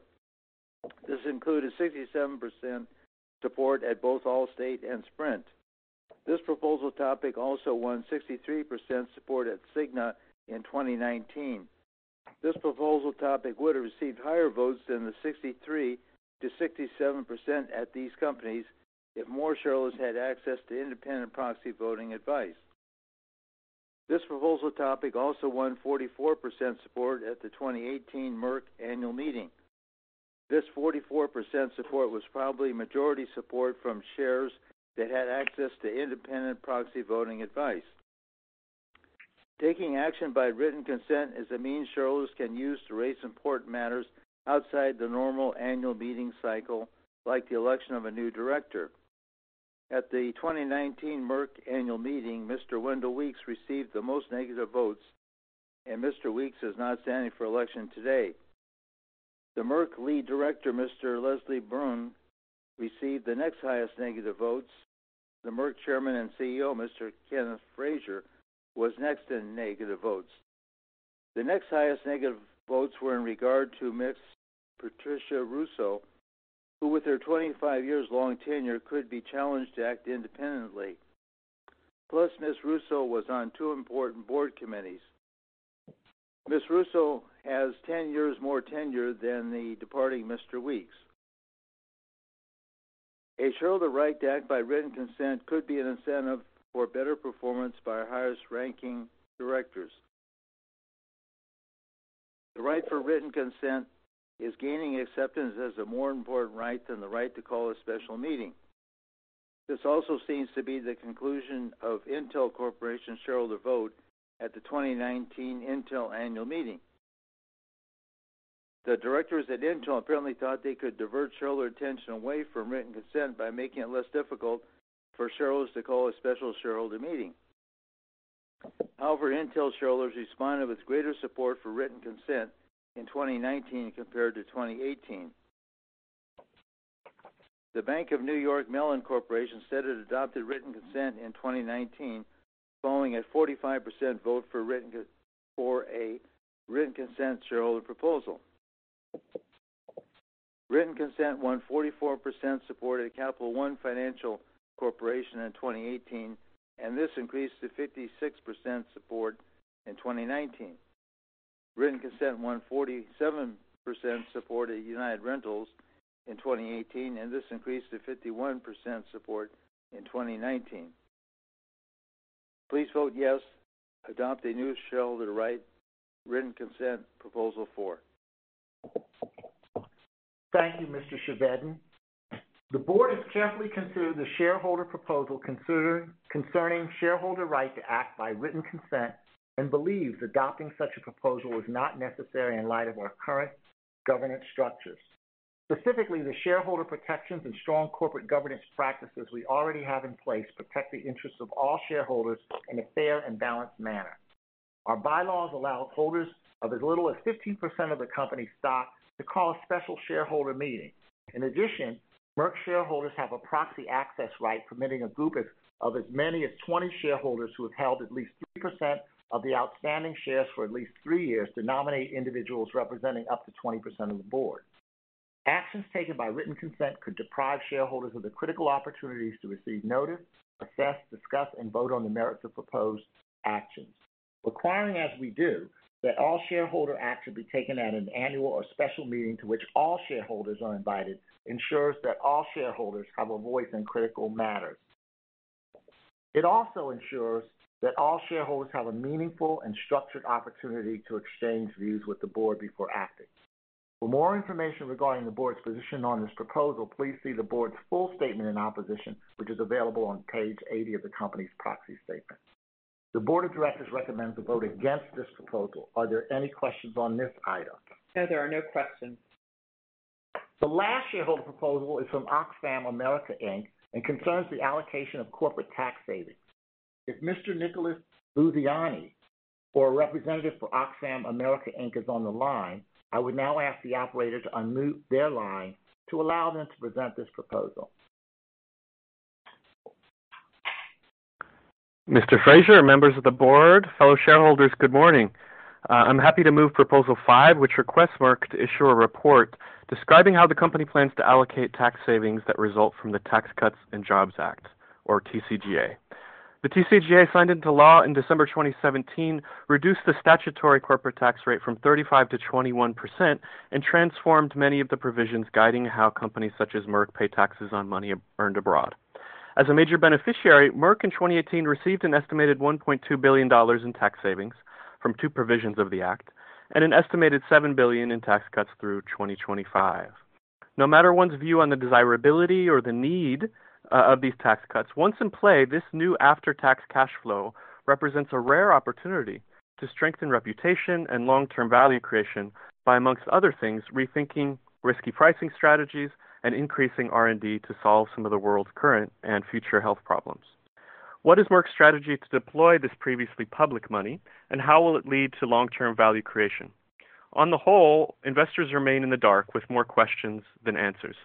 This included 67% support at both Allstate and Sprint. This proposal topic also won 63% support at Cigna in 2019. This proposal topic would have received higher votes than the 63%-67% at these companies if more shareholders had access to independent proxy voting advice. This proposal topic also won 44% support at the 2018 Merck annual meeting. This 44% support was probably majority support from shares that had access to independent proxy voting advice. Taking action by written consent is a means shareholders can use to raise important matters outside the normal annual meeting cycle, like the election of a new director. At the 2019 Merck annual meeting, Mr. Wendell Weeks received the most negative votes, and Mr. Weeks is not standing for election today. The Merck Lead Director, Mr. Leslie Brun, received the next highest negative votes. The Merck Chairman and CEO, Mr. Kenneth Frazier, was next in negative votes. The next highest negative votes were in regard to Ms. Patricia Russo, who with her 25 years long tenure, could be challenged to act independently. Plus, Ms. Russo was on two important board committees. Ms. Russo has 10 years more tenure than the departing Mr. Weeks. A shareholder right to act by written consent could be an incentive for better performance by our highest-ranking directors. The right for written consent is gaining acceptance as a more important right than the right to call a special meeting. This also seems to be the conclusion of Intel Corporation shareholder vote at the 2019 Intel Annual Meeting. The directors at Intel apparently thought they could divert shareholder attention away from written consent by making it less difficult for shareholders to call a special shareholder meeting. However, Intel shareholders responded with greater support for written consent in 2019 compared to 2018. The Bank of New York Mellon Corporation said it adopted written consent in 2019 following a 45% vote for a written consent shareholder proposal. Written consent won 44% support at Capital One Financial Corporation in 2018, and this increased to 56% support in 2019. Written consent won 47% support at United Rentals in 2018, and this increased to 51% support in 2019. Please vote yes. Adopt a new shareholder right written consent proposal 4. Thank you, Mr. Chevedden. The board has carefully considered the shareholder proposal concerning shareholder right to act by written consent and believes adopting such a proposal is not necessary in light of our current governance structures. Specifically, the shareholder protections and strong corporate governance practices we already have in place protect the interests of all shareholders in a fair and balanced manner. Our bylaws allow holders of as little as 15% of the company's stock to call a special shareholder meeting. In addition, Merck shareholders have a proxy access right permitting a group of as many as 20 shareholders who have held at least 3% of the outstanding shares for at least three years to nominate individuals representing up to 20% of the board. Actions taken by written consent could deprive shareholders of the critical opportunities to receive notice, assess, discuss, and vote on the merits of proposed actions. Requiring, as we do, that all shareholder action be taken at an annual or special meeting to which all shareholders are invited ensures that all shareholders have a voice in critical matters. It also ensures that all shareholders have a meaningful and structured opportunity to exchange views with the board before acting. For more information regarding the board's position on this proposal, please see the board's full statement and opposition, which is available on page 80 of the company's proxy statement. The board of directors recommends a vote against this proposal. Are there any questions on this item? No, there are no questions. The last shareholder proposal is from Oxfam America, Inc., and concerns the allocation of corporate tax savings. If Mr. Nicholas Lusiani or a representative for Oxfam America, Inc. is on the line, I would now ask the operator to unmute their line to allow them to present this proposal. Mr. Frazier, members of the board, fellow shareholders, good morning. I'm happy to move proposal five, which requests Merck to issue a report describing how the company plans to allocate tax savings that result from the Tax Cuts and Jobs Act, or TCJA. The TCJA signed into law in December 2017 reduced the statutory corporate tax rate from 35%-21% and transformed many of the provisions guiding how companies such as Merck pay taxes on money earned abroad. As a major beneficiary, Merck in 2018 received an estimated $1.2 billion in tax savings from two provisions of the act and an estimated $7 billion in tax cuts through 2025. No matter one's view on the desirability or the need of these tax cuts, once in play, this new after-tax cash flow represents a rare opportunity to strengthen reputation and long-term value creation by, amongst other things, rethinking risky pricing strategies and increasing R&D to solve some of the world's current and future health problems. What is Merck's strategy to deploy this previously public money, and how will it lead to long-term value creation? On the whole, investors remain in the dark with more questions than answers.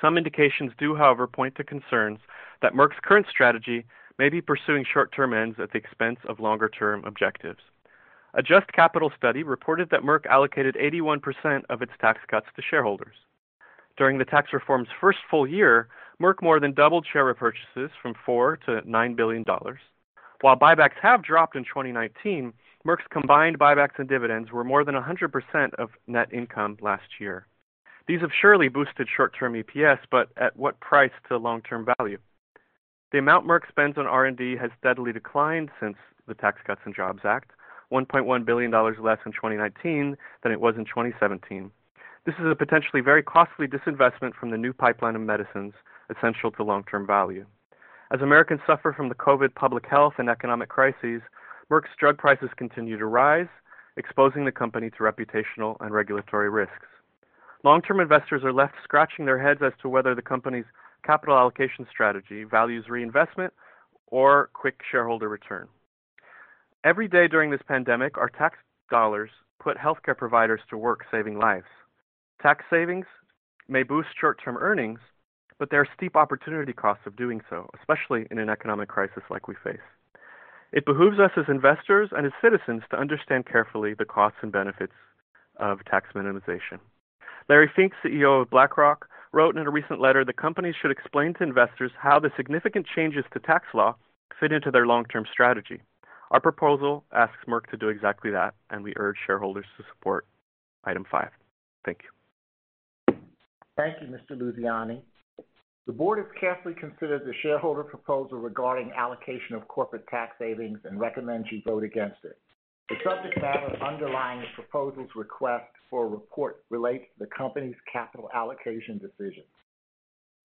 Some indications do, however, point to concerns that Merck's current strategy may be pursuing short-term ends at the expense of longer-term objectives. A JUST Capital study reported that Merck allocated 81% of its tax cuts to shareholders. During the tax reform's first full year, Merck more than doubled share repurchases from $4 billion-$9 billion. While buybacks have dropped in 2019, Merck's combined buybacks and dividends were more than 100% of net income last year. These have surely boosted short-term EPS, but at what price to long-term value? The amount Merck spends on R&D has steadily declined since the Tax Cuts and Jobs Act, $1.1 billion less in 2019 than it was in 2017. This is a potentially very costly disinvestment from the new pipeline of medicines essential to long-term value. As Americans suffer from the COVID public health and economic crises, Merck's drug prices continue to rise, exposing the company to reputational and regulatory risks. Long-term investors are left scratching their heads as to whether the company's capital allocation strategy values reinvestment or quick shareholder return. Every day during this pandemic, our tax dollars put healthcare providers to work saving lives. Tax savings may boost short-term earnings, but there are steep opportunity costs of doing so, especially in an economic crisis like we face. It behooves us as investors and as citizens to understand carefully the costs and benefits of tax minimization. Larry Fink, CEO of BlackRock, wrote in a recent letter that companies should explain to investors how the significant changes to tax law fit into their long-term strategy. Our proposal asks Merck to do exactly that, and we urge shareholders to support item five. Thank you. Thank you, Mr. Lusiani. The board has carefully considered the shareholder proposal regarding allocation of corporate tax savings and recommends you vote against it. The subject matter underlying the proposal's request for a report relates to the company's capital allocation decisions.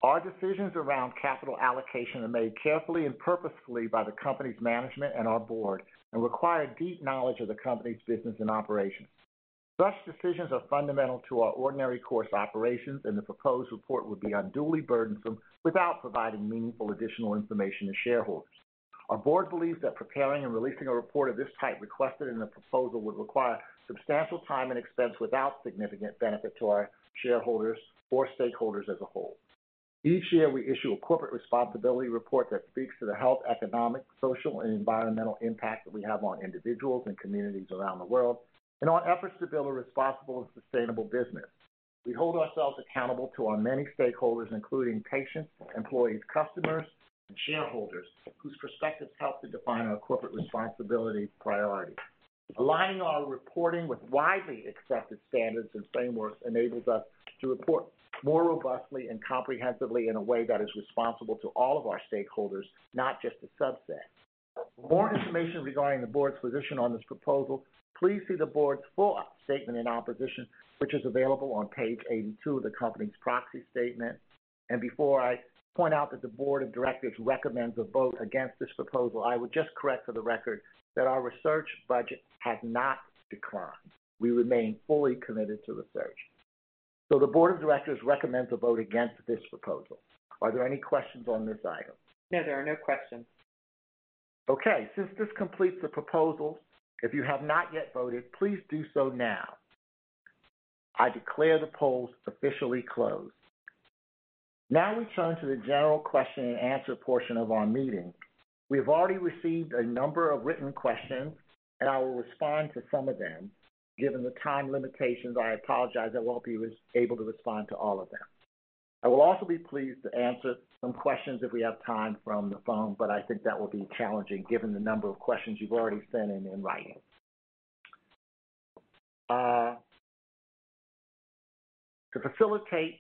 Our decisions around capital allocation are made carefully and purposefully by the company's management and our board and require deep knowledge of the company's business and operations. Such decisions are fundamental to our ordinary course operations, and the proposed report would be unduly burdensome without providing meaningful additional information to shareholders. Our board believes that preparing and releasing a report of this type requested in the proposal would require substantial time and expense without significant benefit to our shareholders or stakeholders as a whole. Each year, we issue a corporate responsibility report that speaks to the health, economic, social, and environmental impact that we have on individuals and communities around the world and our efforts to build a responsible and sustainable business. We hold ourselves accountable to our many stakeholders, including patients, employees, customers, and shareholders, whose perspectives help to define our corporate responsibility priorities. Aligning our reporting with widely accepted standards and frameworks enables us to report more robustly and comprehensively in a way that is responsible to all of our stakeholders, not just a subset. For more information regarding the board's position on this proposal, please see the board's full statement in opposition, which is available on page 82 of the company's proxy statement. Before I point out that the board of directors recommends a vote against this proposal, I would just correct for the record that our research budget has not declined. We remain fully committed to research. The board of directors recommends a vote against this proposal. Are there any questions on this item? No, there are no questions. Okay, since this completes the proposals, if you have not yet voted, please do so now. I declare the polls officially closed. We turn to the general question and answer portion of our meeting. We have already received a number of written questions. I will respond to some of them. Given the time limitations, I apologize I won't be able to respond to all of them. I will also be pleased to answer some questions if we have time from the phone. I think that will be challenging given the number of questions you've already sent in in writing. To facilitate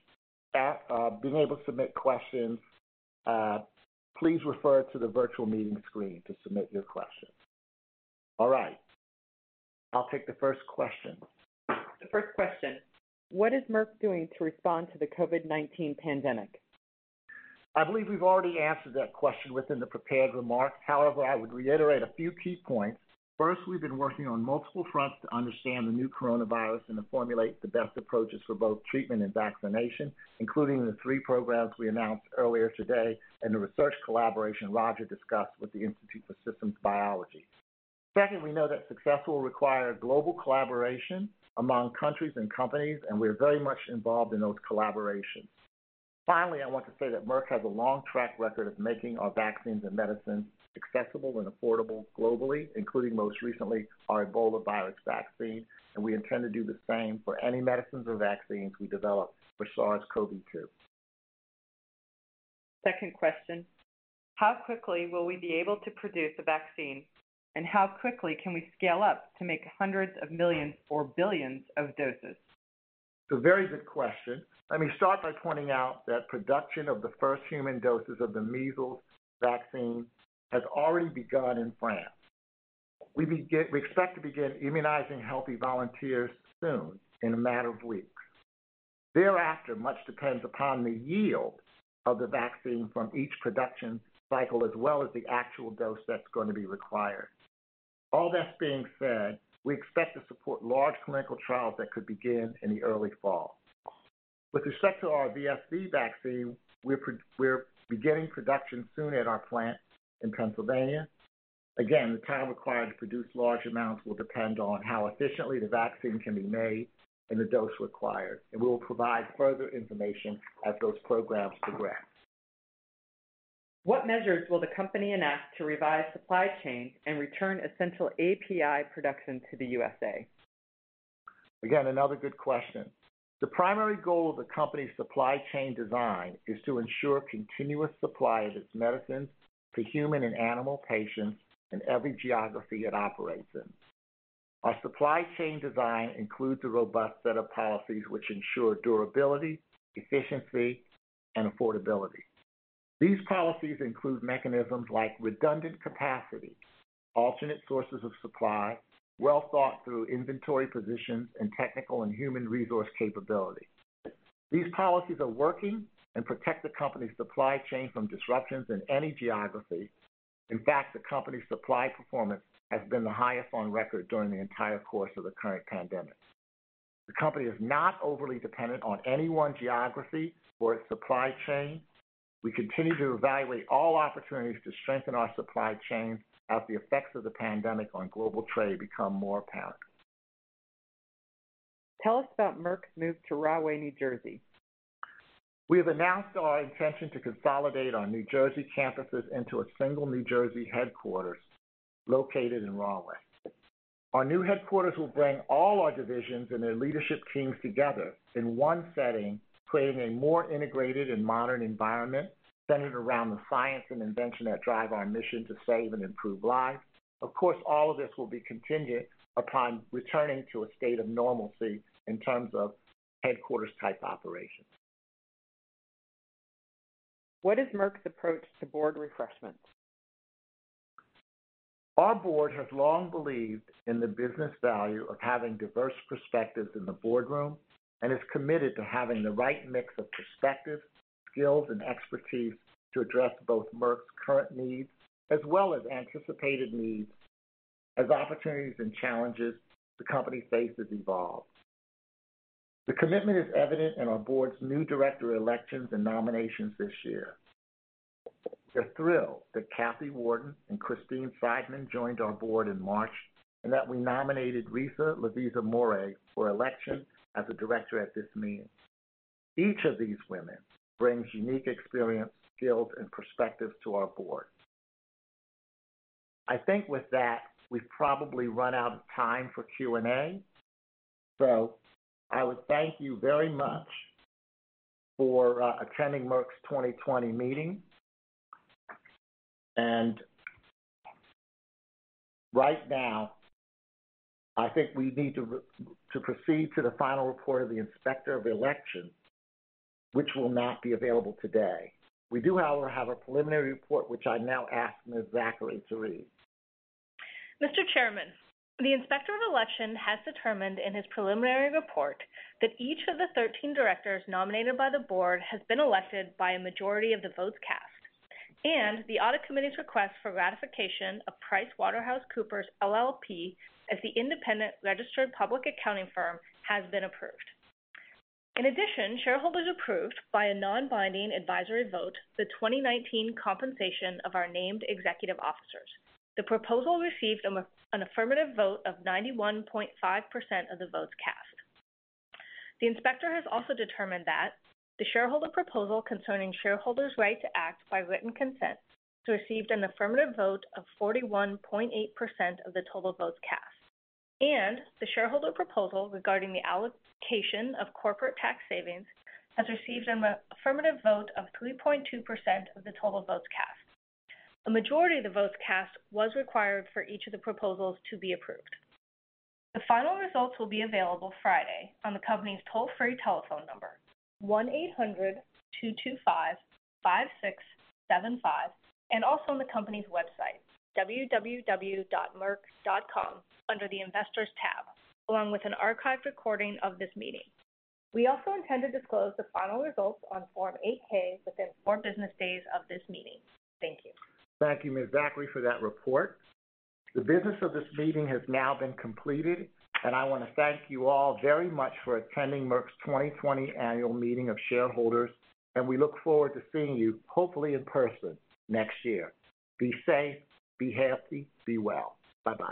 being able to submit questions, please refer to the virtual meeting screen to submit your questions. All right. I'll take the first question. The first question: What is Merck doing to respond to the COVID-19 pandemic? I believe we've already answered that question within the prepared remarks. However, I would reiterate a few key points. First, we've been working on multiple fronts to understand the new coronavirus and to formulate the best approaches for both treatment and vaccination, including the three programs we announced earlier today and the research collaboration Roger discussed with the Institute for Systems Biology. Second, we know that success will require global collaboration among countries and companies, and we are very much involved in those collaborations. Finally, I want to say that Merck has a long track record of making our vaccines and medicines accessible and affordable globally, including most recently our Ebola virus vaccine, and we intend to do the same for any medicines or vaccines we develop for SARS-CoV-2. Second question. How quickly will we be able to produce a vaccine, and how quickly can we scale up to make hundreds of millions or billions of doses? It's a very good question. Let me start by pointing out that production of the first human doses of the measles vaccine has already begun in France. We expect to begin immunizing healthy volunteers soon, in a matter of weeks. Thereafter, much depends upon the yield of the vaccine from each production cycle, as well as the actual dose that's going to be required. All that being said, we expect to support large clinical trials that could begin in the early fall. With respect to our VSV vaccine, we're beginning production soon at our plant in Pennsylvania. Again, the time required to produce large amounts will depend on how efficiently the vaccine can be made and the dose required, and we will provide further information as those programs progress. What measures will the company enact to revise supply chain and return essential API production to the USA? Again, another good question. The primary goal of the company's supply chain design is to ensure continuous supply of its medicines to human and animal patients in every geography it operates in. Our supply chain design includes a robust set of policies which ensure durability, efficiency, and affordability. These policies include mechanisms like redundant capacity, alternate sources of supply, well-thought-through inventory positions, and technical and human resource capability. These policies are working and protect the company's supply chain from disruptions in any geography. In fact, the company's supply performance has been the highest on record during the entire course of the current pandemic. The company is not overly dependent on any one geography for its supply chain. We continue to evaluate all opportunities to strengthen our supply chain as the effects of the pandemic on global trade become more apparent. Tell us about Merck's move to Rahway, New Jersey. We have announced our intention to consolidate our New Jersey campuses into a single New Jersey headquarters located in Rahway. Our new headquarters will bring all our divisions and their leadership teams together in one setting, creating a more integrated and modern environment centered around the science and invention that drive our mission to save and improve lives. Of course, all of this will be contingent upon returning to a state of normalcy in terms of headquarters-type operations. What is Merck's approach to board refreshment? Our board has long believed in the business value of having diverse perspectives in the boardroom and is committed to having the right mix of perspectives, skills, and expertise to address both Merck's current needs as well as anticipated needs as opportunities and challenges the company faces evolve. The commitment is evident in our board's new director elections and nominations this year. We're thrilled that Kathy Warden and Christine E. Seidman joined our board in March, and that we nominated Risa Lavizzo-Mourey for election as a director at this meeting. Each of these women brings unique experience, skills, and perspectives to our board. I think with that, we've probably run out of time for Q&A. I would thank you very much for attending Merck's 2020 meeting. Right now, I think we need to proceed to the final report of the Inspector of Election, which will not be available today. We do, however, have a preliminary report, which I now ask Ms. Zachary to read. Mr. Chairman, the Inspector of Election has determined in his preliminary report that each of the 13 directors nominated by the board has been elected by a majority of the votes cast, and the audit committee's request for ratification of PricewaterhouseCoopers LLP as the independent registered public accounting firm has been approved. Shareholders approved, by a non-binding advisory vote, the 2019 compensation of our named executive officers. The proposal received an affirmative vote of 91.5% of the votes cast. The inspector has also determined that the shareholder proposal concerning shareholders' right to act by written consent received an affirmative vote of 41.8% of the total votes cast, and the shareholder proposal regarding the allocation of corporate tax savings has received an affirmative vote of 3.2% of the total votes cast. A majority of the votes cast was required for each of the proposals to be approved. The final results will be available Friday on the company's toll-free telephone number, 1-800-225-5675, and also on the company's website, www.merck.com, under the Investors tab, along with an archived recording of this meeting. We also intend to disclose the final results on Form 8-K within four business days of this meeting. Thank you. Thank you, Ms. Zachary, for that report. The business of this meeting has now been completed. I want to thank you all very much for attending Merck's 2020 annual meeting of shareholders. We look forward to seeing you, hopefully in person, next year. Be safe, be healthy, be well. Bye-bye.